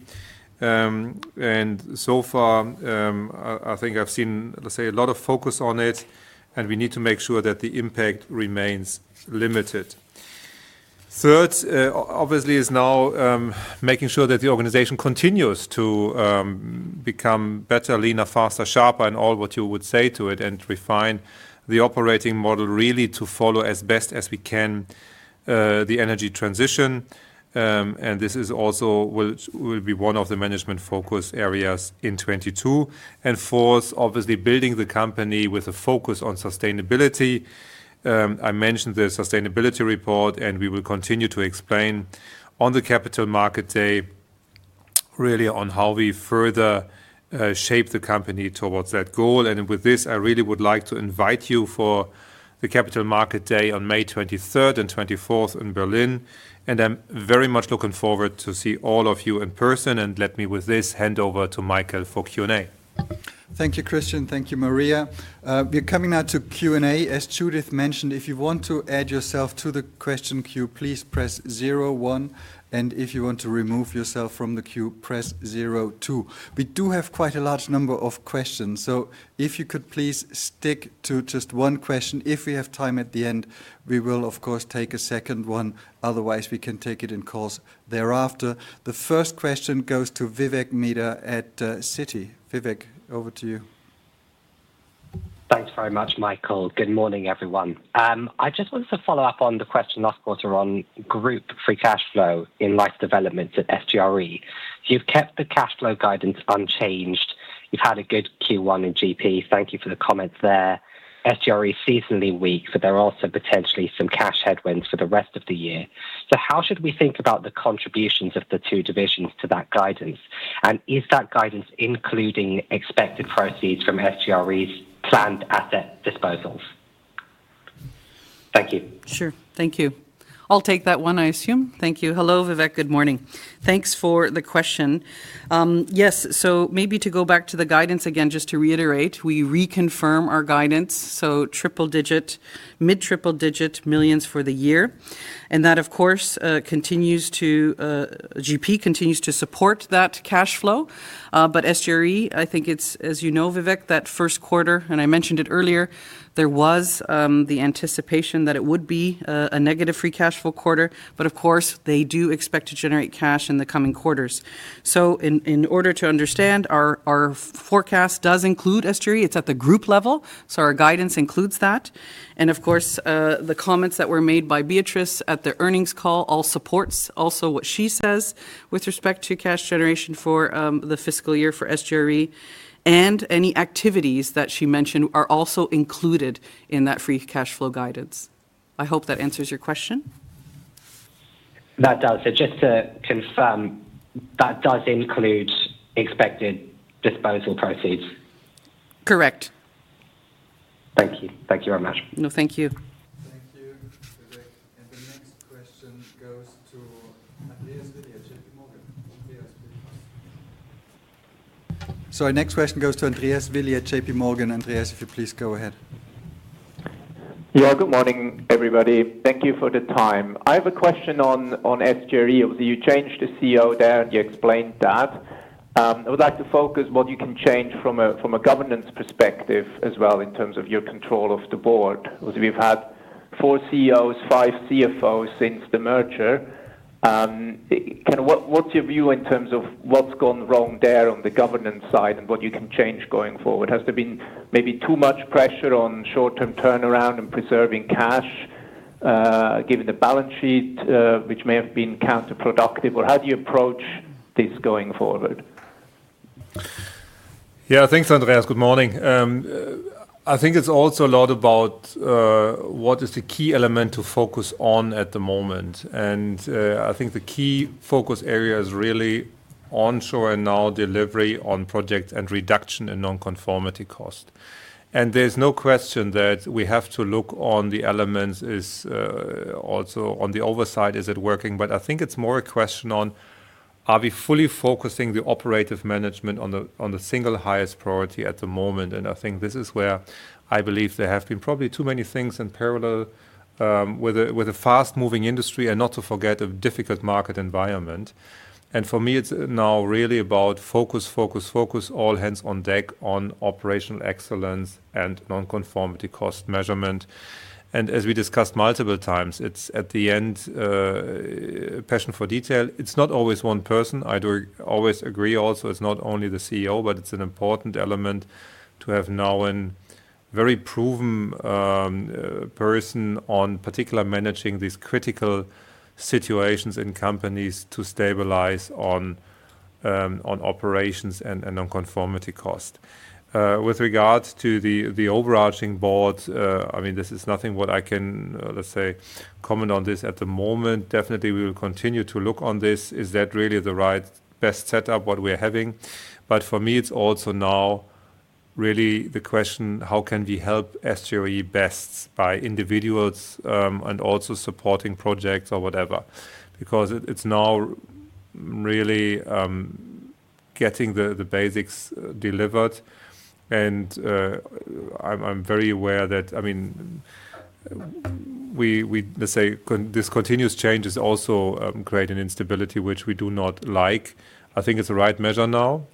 Speaker 3: So far, I think I've seen, let's say, a lot of focus on it, and we need to make sure that the impact remains limited. Third, obviously, is now making sure that the organization continues to become better, leaner, faster, sharper, and all what you would say to it and refine the operating model really to follow as best as we can, the energy transition. This is also which will be one of the management focus areas in 2022. Fourth, obviously building the company with a focus on sustainability. I mentioned the sustainability report, and we will continue to explain on the Capital Market Day really on how we further shape the company towards that goal. With this, I really would like to invite you for the Capital Market Day on May 23rd and 24th in Berlin, and I'm very much looking forward to see all of you in person. Let me with this hand over to Michael for Q&A.
Speaker 2: Thank you, Christian. Thank you, Maria. We're coming now to Q&A. As Judith mentioned, if you want to add yourself to the question queue, please press zero one, and if you want to remove yourself from the queue, press zero two. We do have quite a large number of questions, so if you could please stick to just one question. If we have time at the end, we will, of course, take a second one. Otherwise, we can take it in calls thereafter. The first question goes to Vivek Midha at Citi. Vivek, over to you.
Speaker 5: Thanks very much, Michael. Good morning, everyone. I just wanted to follow up on the question last quarter on group free cash flow in light developments at SGRE. You've kept the cash flow guidance unchanged. You've had a good Q1 in GP. Thank you for the comments there. SGRE is seasonally weak, but there are also potentially some cash headwinds for the rest of the year. How should we think about the contributions of the two divisions to that guidance? Is that guidance including expected proceeds from SGRE's planned asset disposals? Thank you.
Speaker 4: Sure. Thank you. I'll take that one, I assume. Thank you. Hello, Vivek. Good morning. Thanks for the question. Yes. Maybe to go back to the guidance again, just to reiterate, we reconfirm our guidance, mid-triple-digit millions for the year. That, of course, GP continues to support that cash flow. SGRE, I think it's, as you know, Vivek, that first quarter, and I mentioned it earlier, there was the anticipation that it would be a negative free cash flow quarter, but of course, they do expect to generate cash in the coming quarters. In order to understand our forecast does include SGRE. It's at the group level, our guidance includes that. Of course, the comments that were made by Beatrice at the earnings call all supports also what she says with respect to cash generation for the fiscal year for SGRE. Any activities that she mentioned are also included in that free cash flow guidance. I hope that answers your question.
Speaker 5: That does. Just to confirm, that does include expected disposal proceeds?
Speaker 4: Correct.
Speaker 5: Thank you. Thank you very much.
Speaker 4: No, thank you.
Speaker 2: Thank you, Vivek. The next question goes to Andreas Willi at J.P. Morgan. Andreas, please ask. Our next question goes to Andreas Willi at J.P. Morgan. Andreas, if you please go ahead.
Speaker 6: Yeah. Good morning, everybody. Thank you for the time. I have a question on SGRE. Obviously, you changed the CEO there, and you explained that. I would like to focus what you can change from a governance perspective as well in terms of your control of the board. Obviously we've had four CEOs, five CFOs since the merger. Kind of what's your view in terms of what's gone wrong there on the governance side and what you can change going forward? Has there been maybe too much pressure on short-term turnaround and preserving cash, given the balance sheet, which may have been counterproductive? Or how do you approach this going forward?
Speaker 3: Yeah. Thanks, Andreas. Good morning. I think it's also a lot about what is the key element to focus on at the moment. I think the key focus area is really onshore and now delivery on projects and reduction in non-conformity cost. There's no question that we have to look on the elements is also on the oversight, is it working? I think it's more a question on, are we fully focusing the operative management on the single highest priority at the moment? I think this is where I believe there have been probably too many things in parallel, with a fast-moving industry and not to forget a difficult market environment. For me, it's now really about focus, focus, all hands on deck on operational excellence and non-conformity cost measurement. As we discussed multiple times, it's at the end, passion for detail. It's not always one person. I do always agree also it's not only the CEO, but it's an important element to have now a very proven person in particular managing these critical situations in companies to stabilize operations and non-conformity cost. With regards to the overarching board, I mean, this is nothing that I can, let's say, comment on this at the moment. Definitely, we will continue to look at this. Is that really the right, best setup that we're having? For me, it's also now really the question, how can we help SGRE best by individuals, and also supporting projects or whatever? Because it's now really getting the basics delivered and I'm very aware that, I mean, this continuous change is also creating instability, which we do not like. I think it's the right measure now,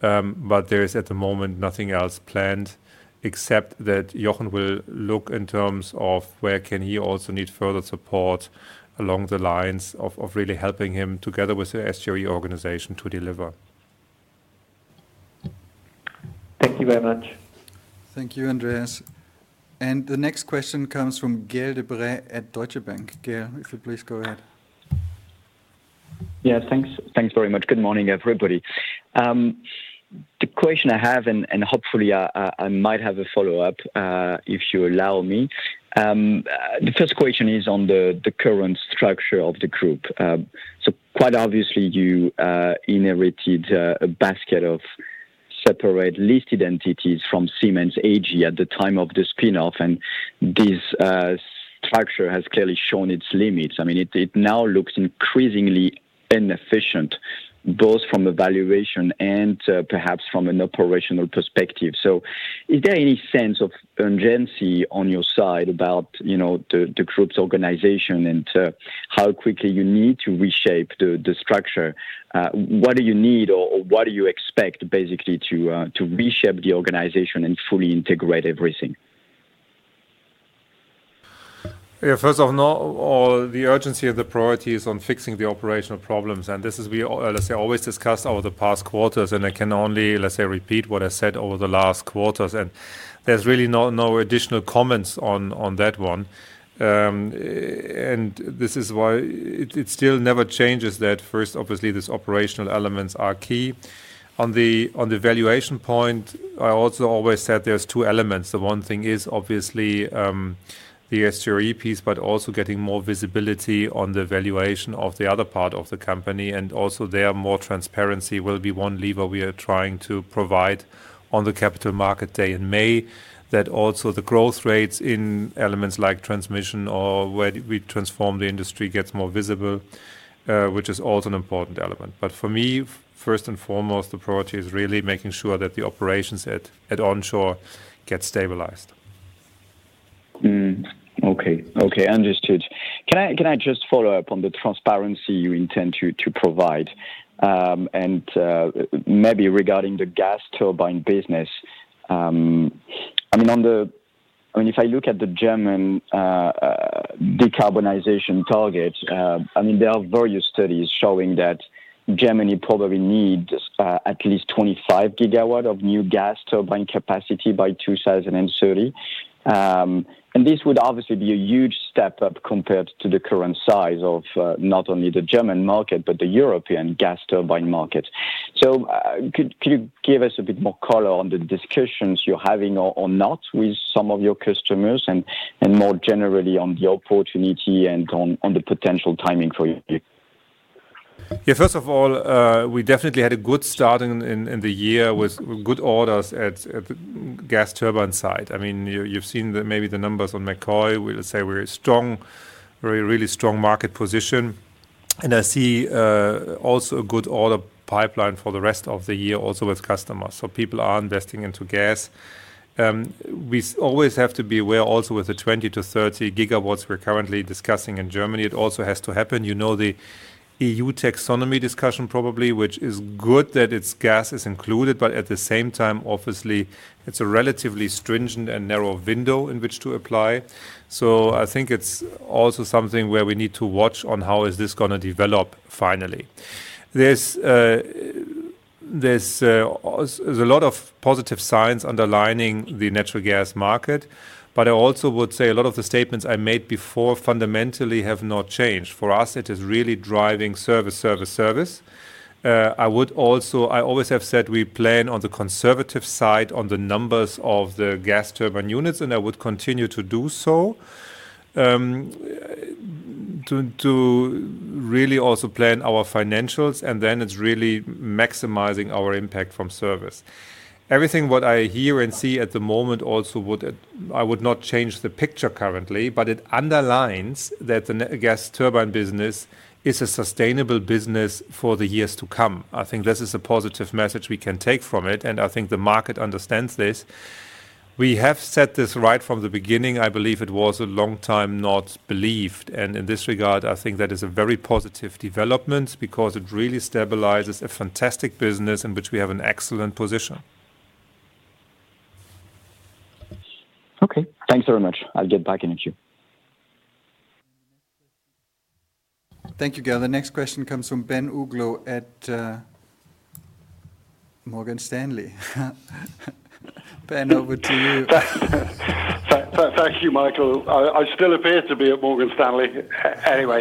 Speaker 3: but there is, at the moment, nothing else planned except that Jochen will look in terms of where can he also need further support along the lines of really helping him together with the SGRE organization to deliver.
Speaker 6: Thank you very much.
Speaker 2: Thank you, Andreas. The next question comes from Gael de-Bray at Deutsche Bank. Gael, if you please go ahead.
Speaker 7: Yeah, thanks. Thanks very much. Good morning, everybody. The question I have, and hopefully I might have a follow-up, if you allow me. The first question is on the current structure of the group. Quite obviously you inherited a basket of separate listed entities from Siemens AG at the time of the spin-off, and this structure has clearly shown its limits. I mean, it now looks increasingly inefficient, both from a valuation and perhaps from an operational perspective. Is there any sense of urgency on your side about the group's organization and how quickly you need to reshape the structure? What do you need or what do you expect basically to reshape the organization and fully integrate everything?
Speaker 3: Yeah, first of all, the urgency of the priority is on fixing the operational problems, and this is, let's say, always discussed over the past quarters, and I can only, let's say, repeat what I said over the last quarters, and there's really no additional comments on that one. This is why it still never changes that first, obviously, these operational elements are key. On the valuation point, I also always said there's two elements. The one thing is obviously, the SGRE piece, but also getting more visibility on the valuation of the other part of the company, and also there more transparency will be one lever we are trying to provide on the Capital Market Day in May, that also the growth rates in elements like Transmission or where we transform the industry gets more visible, which is also an important element. For me, first and foremost, the priority is really making sure that the operations at onshore get stabilized.
Speaker 7: Understood. Can I just follow up on the transparency you intend to provide? Maybe regarding the gas turbine business. I mean, if I look at the German decarbonization target, I mean, there are various studies showing that Germany probably needs at least 25 GW of new gas turbine capacity by 2030. This would obviously be a huge step up compared to the current size of not only the German market, but the European gas turbine market. Could you give us a bit more color on the discussions you're having or not with some of your customers and more generally on the opportunity and on the potential timing for you?
Speaker 3: Yeah. First of all, we definitely had a good start in the year with good orders at the gas turbine side. I mean, you've seen maybe the numbers on McCoy. We have a very strong market position. I see also a good order pipeline for the rest of the year with customers. People are investing into gas. We always have to be aware also with the 20 GW-30 GW we're currently discussing in Germany. It also has to happen. You know the EU taxonomy discussion probably, which is good that its gas is included, but at the same time, obviously, it's a relatively stringent and narrow window in which to apply. I think it's also something where we need to watch how this is gonna develop finally. There's a lot of positive signs underlining the natural gas market. I also would say a lot of the statements I made before fundamentally have not changed. For us, it is really driving service. I would also. I always have said we plan on the conservative side on the numbers of the gas turbine units, and I would continue to do so, to really also plan our financials, and then it's really maximizing our impact from service. Everything what I hear and see at the moment also would. I would not change the picture currently, but it underlines that the natural gas turbine business is a sustainable business for the years to come. I think this is a positive message we can take from it, and I think the market understands this. We have said this right from the beginning. I believe it was a long time not believed, and in this regard, I think that is a very positive development because it really stabilizes a fantastic business in which we have an excellent position.
Speaker 7: Okay. Thanks very much. I'll get back in a queue.
Speaker 8: Thank you, Gael. The next question comes from Ben Uglow at, Morgan Stanley. Ben, over to you.
Speaker 9: Thank you, Michael. I still appear to be at Morgan Stanley. Anyway.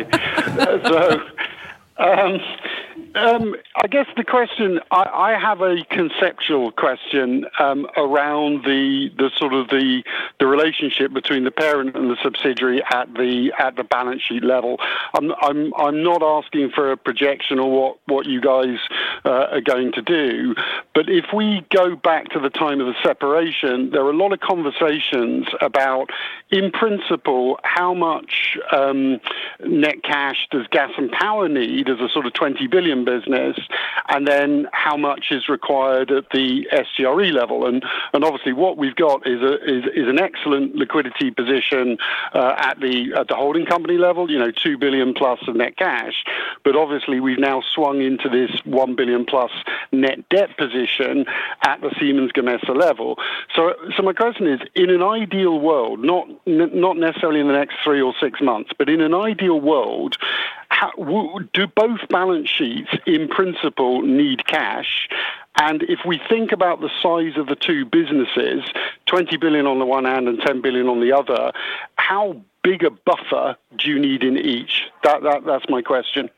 Speaker 9: I guess the question. I have a conceptual question around the sort of the The relationship between the parent and the subsidiary at the balance sheet level. I'm not asking for a projection or what you guys are going to do, but if we go back to the time of the separation, there were a lot of conversations about, in principle, how much net cash does Gas and Power need as a sort of 20 billion business, and then how much is required at the SGRE level. Obviously, what we've got is an excellent liquidity position at the holding company level, you know, 2 billion+ of net cash. Obviously, we've now swung into this 1 billion+ net debt position at the Siemens Gamesa level. My question is, in an ideal world, not necessarily in the next three or six months, but in an ideal world, how would both balance sheets, in principle, need cash? If we think about the size of the two businesses, 20 billion on the one hand and 10 billion on the other, how big a buffer do you need in each? That's my question.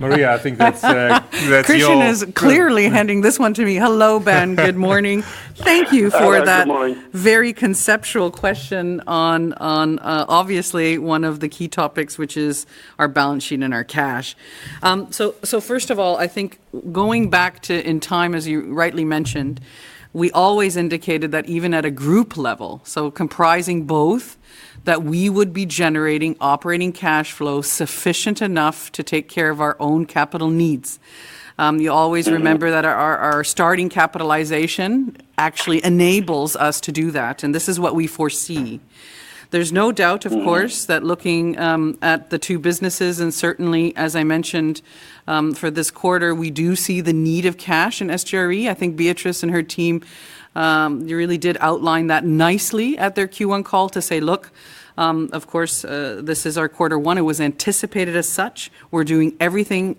Speaker 3: Maria, I think that's your.
Speaker 4: Christian is clearly handing this one to me. Hello, Ben. Good morning. Thank you for that.
Speaker 9: Hi. Good morning.
Speaker 4: Very conceptual question on obviously one of the key topics, which is our balance sheet and our cash. So first of all, I think going back in time, as you rightly mentioned, we always indicated that even at a group level, so comprising both, that we would be generating operating cash flow sufficient enough to take care of our own capital needs. You always remember that our starting capitalization actually enables us to do that, and this is what we foresee. There's no doubt, of course, that looking at the two businesses, and certainly, as I mentioned, for this quarter, we do see the need of cash in SGRE. I think Beatrice and her team really did outline that nicely at their Q1 call to say, "Look, of course, this is our quarter one. It was anticipated as such. They're doing everything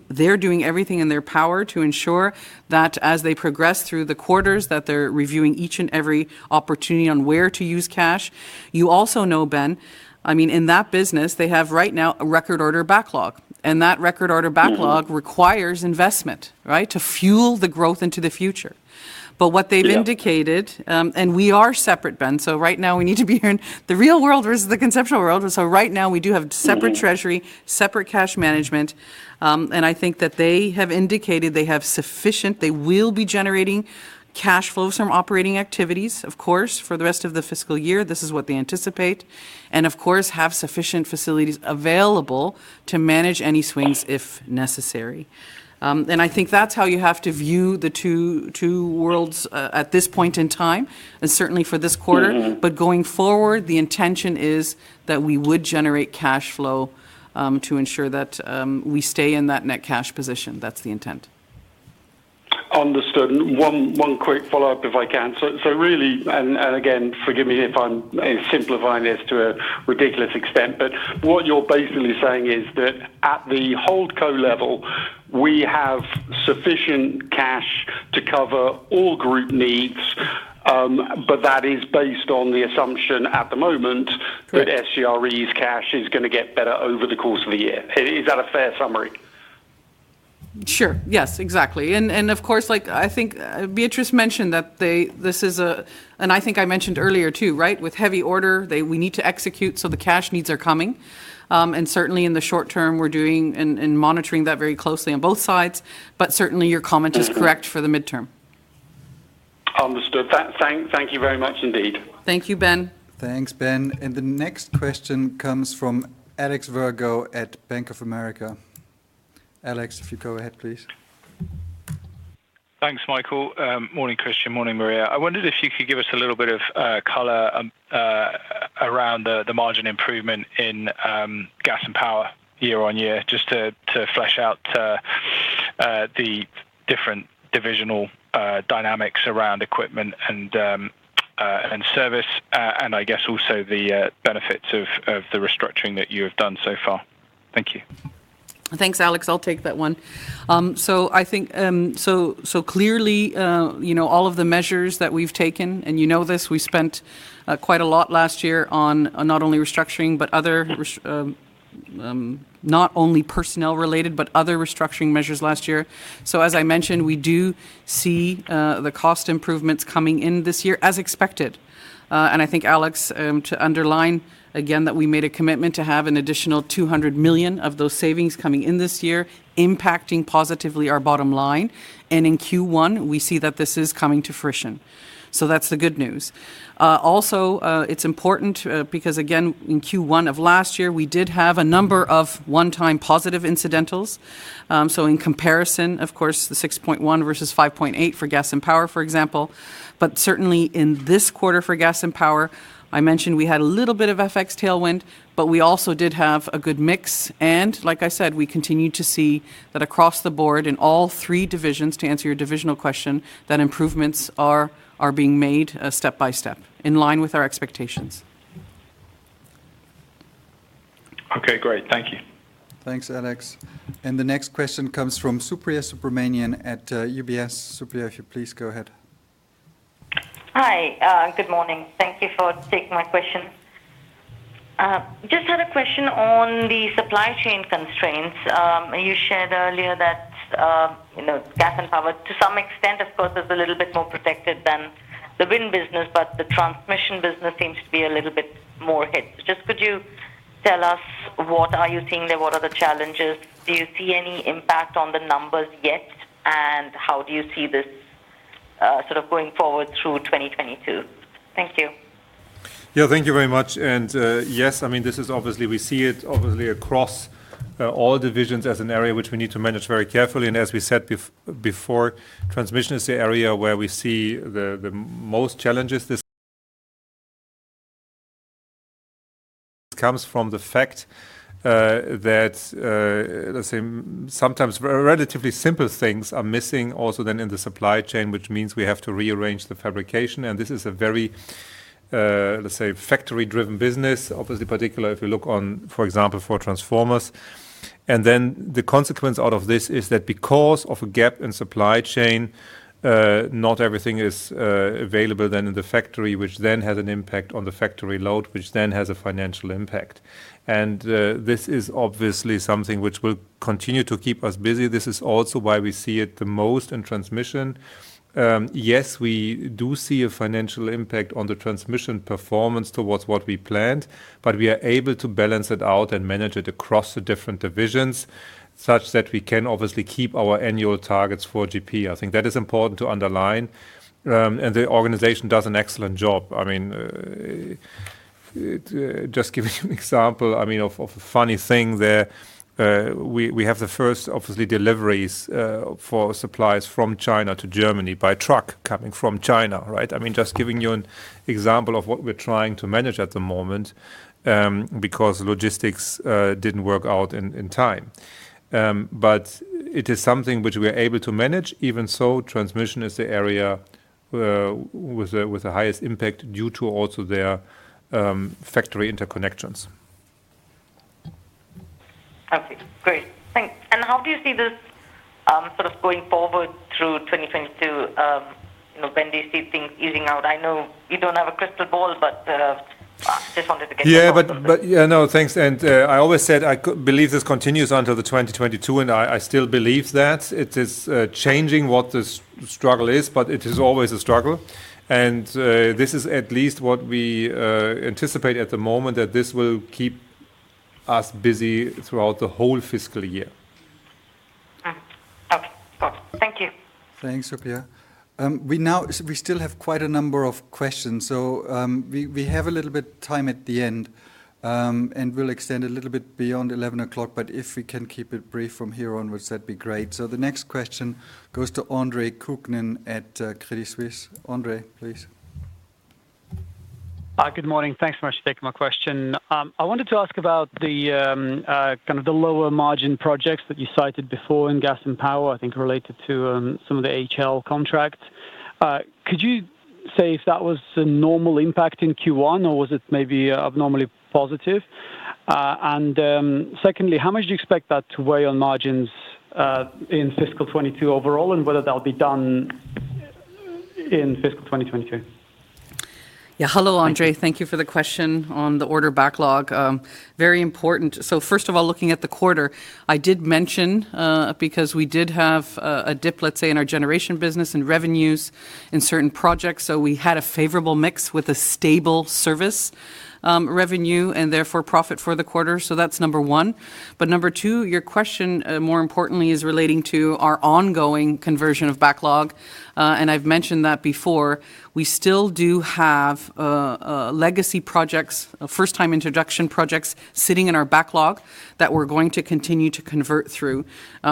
Speaker 4: in their power to ensure that as they progress through the quarters, that they're reviewing each and every opportunity on where to use cash. You also know, Ben, I mean, in that business, they have right now a record order backlog, and that record order backlog requires investment, right? To fuel the growth into the future. But what they've indicated, and we are separate, Ben, so right now we need to be in the real world versus the conceptual world. Right now we do have separate treasury, separate cash management, and I think that they have indicated they have sufficient, they will be generating cash flows from operating activities, of course, for the rest of the fiscal year. This is what they anticipate. Of course, have sufficient facilities available to manage any swings if necessary. I think that's how you have to view the two worlds at this point in time, and certainly for this quarter. Going forward, the intention is that we would generate cash flow to ensure that we stay in that net cash position. That's the intent.
Speaker 9: Understood. One quick follow-up if I can. Really, and again, forgive me if I'm simplifying this to a ridiculous extent, but what you're basically saying is that at the HoldCo level, we have sufficient cash to cover all group needs, but that is based on the assumption at the moment.
Speaker 4: Correct
Speaker 9: That SGRE's cash is gonna get better over the course of the year. Is that a fair summary?
Speaker 4: Sure. Yes. Exactly. Of course, like, I think Beatrice mentioned that they, this is a. I think I mentioned earlier, too, right? With heavy order, we need to execute, so the cash needs are coming. Certainly in the short term, we're doing and monitoring that very closely on both sides. Certainly your comment is correct for the midterm.
Speaker 9: Understood. Thank you very much indeed.
Speaker 4: Thank you, Ben.
Speaker 8: Thanks, Ben. The next question comes from Alexander Virgo at Bank of America. Alex, if you go ahead, please.
Speaker 10: Thanks, Michael. Morning, Christian. Morning, Maria. I wondered if you could give us a little bit of color around the margin improvement in Gas and Power year-on-year, just to flesh out the different divisional dynamics around equipment and service, and I guess also the benefits of the restructuring that you have done so far. Thank you.
Speaker 4: Thanks, Alex. I'll take that one. I think, so clearly, you know, all of the measures that we've taken, and you know this, we spent quite a lot last year on not only restructuring, but other not only personnel related, but other restructuring measures last year. As I mentioned, we do see the cost improvements coming in this year as expected. I think, Alex, to underline again that we made a commitment to have an additional 200 million of those savings coming in this year, impacting positively our bottom line. In Q1, we see that this is coming to fruition. That's the good news. Also, it's important because again, in Q1 of last year, we did have a number of one-time positive incidentals. In comparison, of course, the 6.1% versus 5.8% for Gas and Power, for example. Certainly in this quarter for Gas and Power, I mentioned we had a little bit of FX tailwind, but we also did have a good mix. Like I said, we continue to see that across the board in all three divisions, to answer your divisional question, that improvements are being made step by step in line with our expectations.
Speaker 10: Okay, great. Thank you.
Speaker 2: Thanks, Alex. The next question comes from Supriya Subramanian at UBS. Supriya, if you please go ahead.
Speaker 11: Hi. Good morning. Thank you for taking my question. Just had a question on the supply chain constraints. You shared earlier that, you know, gas and power to some extent, of course, is a little bit more protected than the wind business, but the transmission business seems to be a little bit more hit. Just could you tell us what are you seeing there? What are the challenges? Do you see any impact on the numbers yet? How do you see this, sort of going forward through 2022? Thank you.
Speaker 3: Yeah, thank you very much. Yes, I mean, this is obviously we see it obviously across all divisions as an area which we need to manage very carefully. As we said before, Transmission is the area where we see the most challenges. This comes from the fact that, let's say, sometimes relatively simple things are missing also then in the supply chain, which means we have to rearrange the fabrication. This is a very, let's say, factory-driven business, obviously, particularly if you look on, for example, for transformers. Then the consequence out of this is that because of a gap in supply chain, not everything is available then in the factory, which then has an impact on the factory load, which then has a financial impact. This is obviously something which will continue to keep us busy. This is also why we see it the most in Transmission. Yes, we do see a financial impact on the Transmission performance towards what we planned, but we are able to balance it out and manage it across the different divisions, such that we can obviously keep our annual targets for GP. I think that is important to underline. The organization does an excellent job. I mean, just give you an example, I mean, of a funny thing there. We have the first, obviously, deliveries for supplies from China to Germany by truck coming from China, right? I mean, just giving you an example of what we're trying to manage at the moment, because logistics didn't work out in time. It is something which we are able to manage. Even so, Transmission is the area with the highest impact due to also their factory interconnections.
Speaker 11: Okay, great. Thanks. How do you see this, sort of going forward through 2022? You know, when do you see things easing out? I know you don't have a crystal ball, but just wanted to get your thoughts on that.
Speaker 3: Yeah, no, thanks. I always said I believe this continues until 2022, and I still believe that. It is changing what the struggle is, but it is always a struggle. This is at least what we anticipate at the moment, that this will keep us busy throughout the whole fiscal year.
Speaker 11: Okay. Got it. Thank you.
Speaker 2: Thanks, Supriya. We still have quite a number of questions, so we have a little bit time at the end, and we'll extend a little bit beyond eleven o'clock, but if we can keep it brief from here onwards, that'd be great. The next question goes to Andre Kukhnin at Credit Suisse. Andre, please.
Speaker 12: Hi. Good morning. Thanks very much for taking my question. I wanted to ask about the kind of the lower margin projects that you cited before in Gas and Power, I think related to some of the HL-class contracts. Could you say if that was a normal impact in Q1 or was it maybe abnormally positive? Secondly, how much do you expect that to weigh on margins in fiscal 2022 overall, and whether that'll be done in fiscal 2022?
Speaker 4: Yeah. Hello, Andre. Thank you for the question on the order backlog. Very important. First of all, looking at the quarter, I did mention, because we did have a dip, let's say, in our Generation business and revenues in certain projects. We had a favorable mix with a stable service revenue and therefore profit for the quarter. That's number one. Number two, your question, more importantly, is relating to our ongoing conversion of backlog. I've mentioned that before. We still do have legacy projects, first-time introduction projects sitting in our backlog that we're going to continue to convert through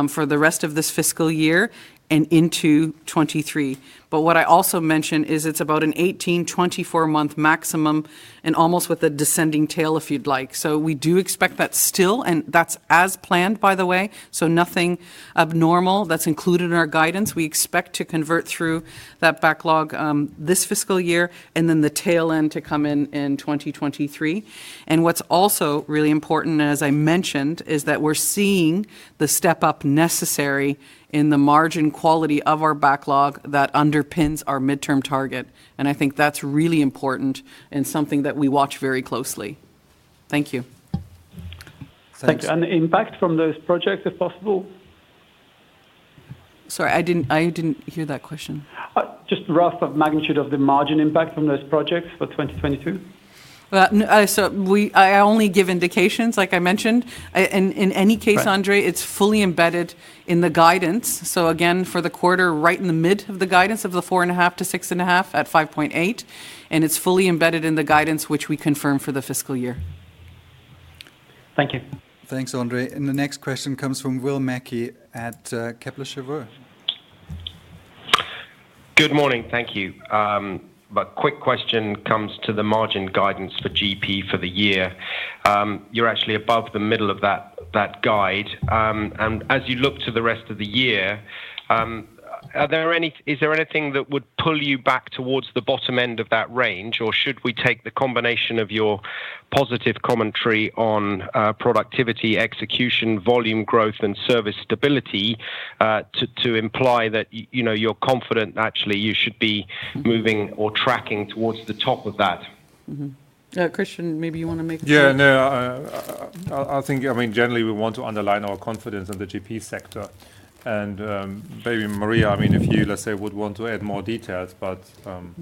Speaker 4: for the rest of this fiscal year and into 2023. What I also mentioned is it's about an 18-24 month maximum and almost with a descending tail, if you'd like. We do expect that still, and that's as planned, by the way, so nothing abnormal. That's included in our guidance. We expect to convert through that backlog this fiscal year and then the tail end to come in in 2023. What's also really important, as I mentioned, is that we're seeing the step-up necessary in the margin quality of our backlog that underpins our midterm target. I think that's really important and something that we watch very closely. Thank you.
Speaker 12: Thanks. Impact from those projects, if possible?
Speaker 4: Sorry, I didn't hear that question.
Speaker 12: Just rough order of magnitude of the margin impact from those projects for 2022.
Speaker 4: Well, no. I only give indications, like I mentioned. In any case.
Speaker 12: Right.
Speaker 4: Andre, it's fully embedded in the guidance. So again, for the quarter, right in the mid of the guidance of the 4.5%-6.5% at 5.8%, and it's fully embedded in the guidance which we confirm for the fiscal year.
Speaker 12: Thank you.
Speaker 2: Thanks, Andre. The next question comes from William Mackie at Kepler Cheuvreux.
Speaker 13: Good morning. Thank you. My quick question comes to the margin guidance for GP for the year. You're actually above the middle of that guide. As you look to the rest of the year, is there anything that would pull you back towards the bottom end of that range? Or should we take the combination of your positive commentary on productivity, execution, volume growth and service stability to imply that you know, you're confident actually you should be moving or tracking towards the top of that range?
Speaker 4: Christian, maybe you want to make a comment?
Speaker 3: Yeah, no, I think, I mean, generally we want to underline our confidence in the GP sector. Maybe Maria, I mean, if you, let's say, would want to add more details, but.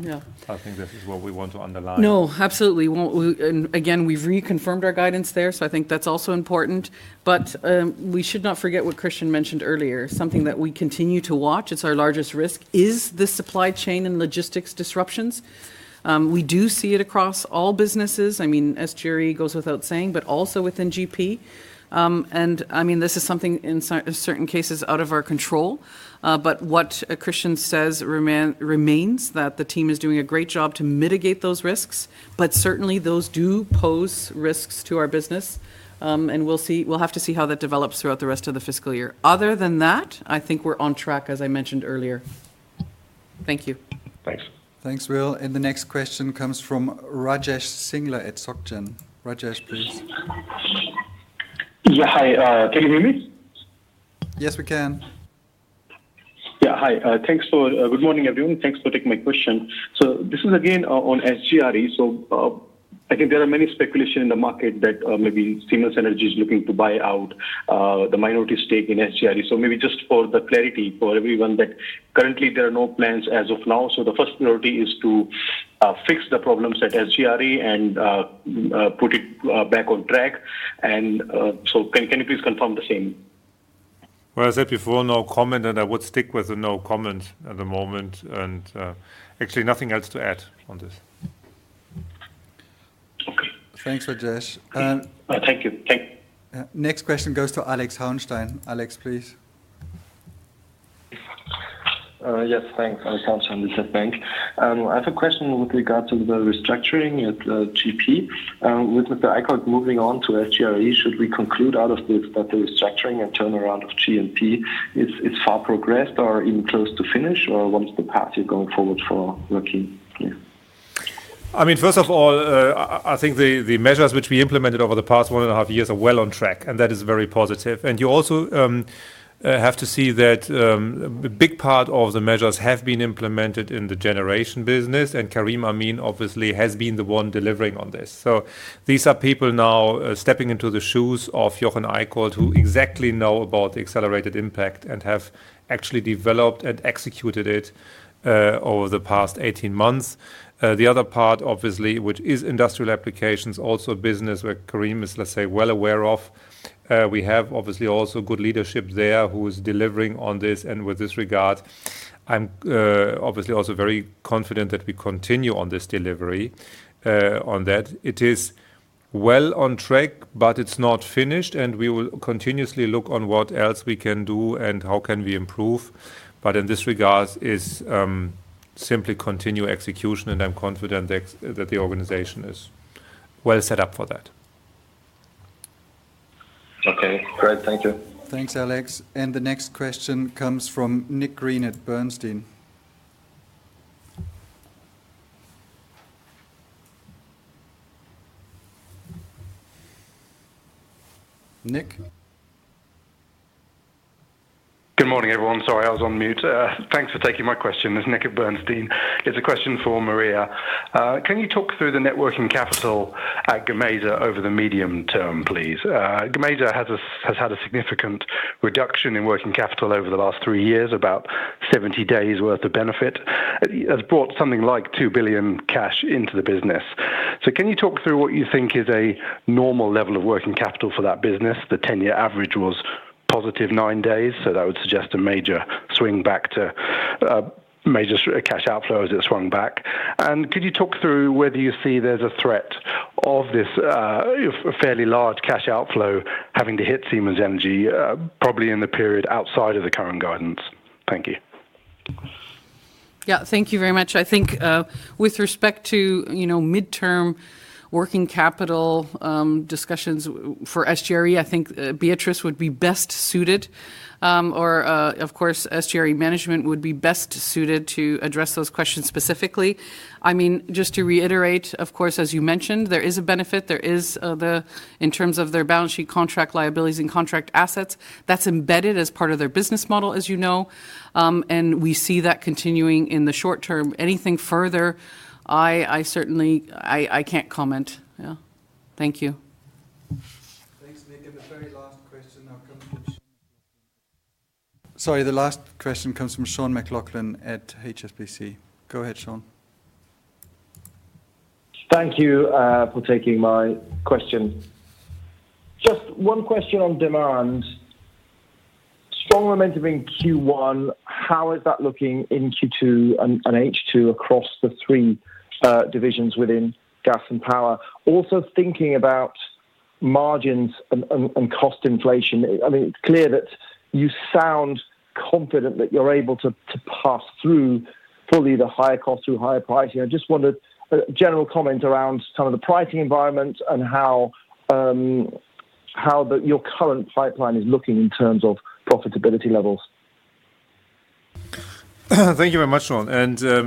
Speaker 4: Yeah
Speaker 3: I think this is what we want to underline.
Speaker 4: No, absolutely. Again, we've reconfirmed our guidance there, so I think that's also important. We should not forget what Christian mentioned earlier. Something that we continue to watch, it's our largest risk, is the supply chain and logistics disruptions. We do see it across all businesses. I mean, SGRE goes without saying, but also within GP. I mean, this is something in certain cases out of our control. What Christian says remains, that the team is doing a great job to mitigate those risks. Certainly, those do pose risks to our business. We'll see. We'll have to see how that develops throughout the rest of the fiscal year. Other than that, I think we're on track, as I mentioned earlier. Thank you.
Speaker 13: Thanks.
Speaker 2: Thanks, Will. The next question comes from Rajesh Singla at SocGen. Rajesh, please.
Speaker 14: Yeah. Hi, can you hear me?
Speaker 2: Yes, we can.
Speaker 14: Yeah. Hi, thanks. Good morning, everyone. Thanks for taking my question. This is again on SGRE. I think there are many speculation in the market that maybe Siemens Energy is looking to buy out the minority stake in SGRE. Maybe just for the clarity for everyone that currently there are no plans as of now. The first priority is to fix the problems at SGRE and put it back on track. Can you please confirm the same?
Speaker 3: Well, I said before, no comment, and I would stick with the no comment at the moment. Actually nothing else to add on this.
Speaker 14: Okay.
Speaker 2: Thanks, Rajesh.
Speaker 14: Thank you.
Speaker 2: Next question goes to Alex Hauenstein. Alex, please.
Speaker 15: Yes. Thanks. Alex Hauenstein with DZ Bank. I have a question with regards to the restructuring at GP. With Mr. Eickholt moving on to SGRE, should we conclude out of this that the restructuring and turnaround of GP is far progressed or even close to finish, or what is the path you're going forward for working here?
Speaker 3: I mean, first of all, I think the measures which we implemented over the past one and a half years are well on track, and that is very positive. You also have to see that a big part of the measures have been implemented in the Generation business, and Karim Amin obviously has been the one delivering on this. These are people now stepping into the shoes of Jochen Eickholt, who exactly know about the accelerated impact and have actually developed and executed it over the past 18 months. The other part, obviously, which is Industrial Applications, also a business where Karim is, let's say, well aware of. We have obviously also good leadership there who is delivering on this. With this regard, I'm obviously also very confident that we continue on this delivery on that. It is well on track, but it's not finished, and we will continuously look into what else we can do and how can we improve. In this regard is simply continue execution, and I'm confident that the organization is well set up for that.
Speaker 15: Okay, great. Thank you.
Speaker 2: Thanks, Alex. The next question comes from Nick Green at Bernstein. Nick?
Speaker 16: Good morning, everyone. Sorry, I was on mute. Thanks for taking my question. It's Nick Green at Bernstein. It's a question for Maria. Can you talk through the net working capital at Gamesa over the medium term, please? Gamesa has had a significant reduction in working capital over the last three years, about 70 days worth of benefit. It has brought something like 2 billion cash into the business. Can you talk through what you think is a normal level of working capital for that business? The 10-year average was positive nine days, so that would suggest a major swing back to major cash outflow as it swung back. Could you talk through whether you see there's a threat of this, a fairly large cash outflow having to hit Siemens Energy, probably in the period outside of the current guidance? Thank you.
Speaker 4: Yeah. Thank you very much. I think, with respect to, you know, midterm working capital, discussions for SGRE, I think, Beatrice would be best suited, or, of course, SGRE management would be best suited to address those questions specifically. I mean, just to reiterate, of course, as you mentioned, there is a benefit. There is in terms of their balance sheet contract liabilities and contract assets, that's embedded as part of their business model, as you know. We see that continuing in the short term. Anything further, I certainly can't comment. Yeah. Thank you.
Speaker 2: Thanks, Nick. The very last question now comes from Sean McLoughlin. Sorry, the last question comes from Sean McLoughlin at HSBC. Go ahead, Sean.
Speaker 17: Thank you for taking my question. Just one question on demand. Strong momentum in Q1, how is that looking in Q2 and H2 across the three divisions within gas and power? Also thinking about margins and cost inflation. I mean, it's clear that you sound confident that you're able to pass through fully the higher cost through higher pricing. I just wondered, a general comment around some of the pricing environment and how your current pipeline is looking in terms of profitability levels.
Speaker 3: Thank you very much, Sean.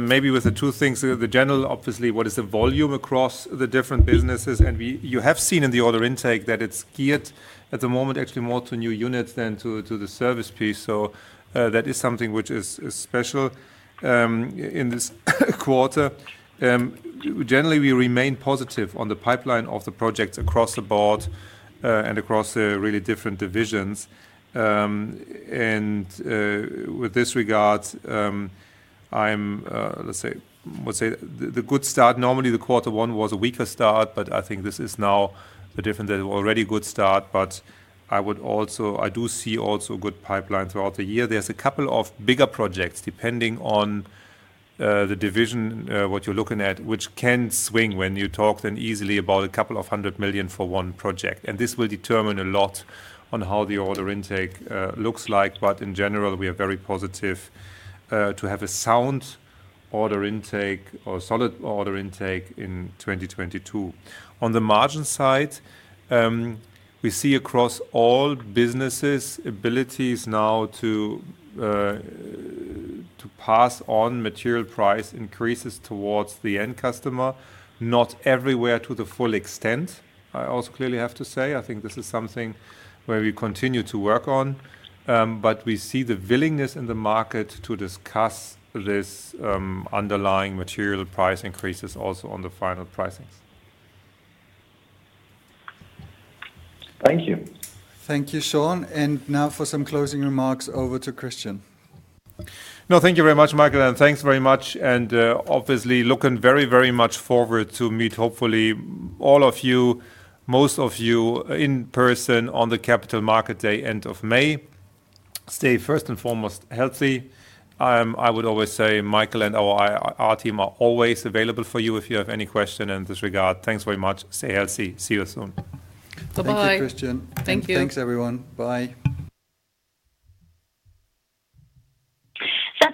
Speaker 3: Maybe with the two things, the general, obviously, what is the volume across the different businesses? You have seen in the order intake that it's geared at the moment actually more to new units than to the service piece. That is something which is special. In this quarter, generally we remain positive on the pipeline of the projects across the board and across the really different divisions. With this regard, let's say, we'll say the good start. Normally, the quarter one was a weaker start, but I think this is now different. There's already good start. I would also. I do see also good pipeline throughout the year. There's a couple of bigger projects depending on the division, what you're looking at, which can swing when you talk, then easily about a couple of hundred million EUR for one project. This will determine a lot on how the order intake looks like. In general, we are very positive to have a sound order intake or solid order intake in 2022. On the margin side, we see across all businesses abilities now to pass on material price increases towards the end customer, not everywhere to the full extent. I also clearly have to say I think this is something where we continue to work on. We see the willingness in the market to discuss this underlying material price increases also on the final pricings.
Speaker 17: Thank you.
Speaker 2: Thank you, Sean. Now for some closing remarks over to Christian.
Speaker 3: No, thank you very much, Michael, and thanks very much. Obviously looking very, very much forward to meet hopefully all of you, most of you in person on the Capital Market Day, end of May. Stay first and foremost healthy. I would always say Michael and our team are always available for you if you have any question in this regard. Thanks very much. Stay healthy. See you soon.
Speaker 4: Bye-bye.
Speaker 2: Thank you, Christian.
Speaker 4: Thank you.
Speaker 2: Thanks everyone. Bye.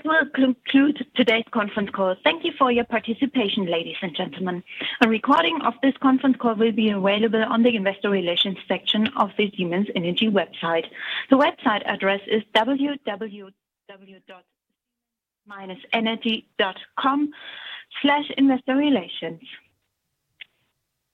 Speaker 1: That will conclude today's conference call. Thank you for your participation, ladies and gentlemen. A recording of this conference call will be available on the Investor Relations section of the Siemens Energy website. The website address is www.siemens-energy.com/investorrelations.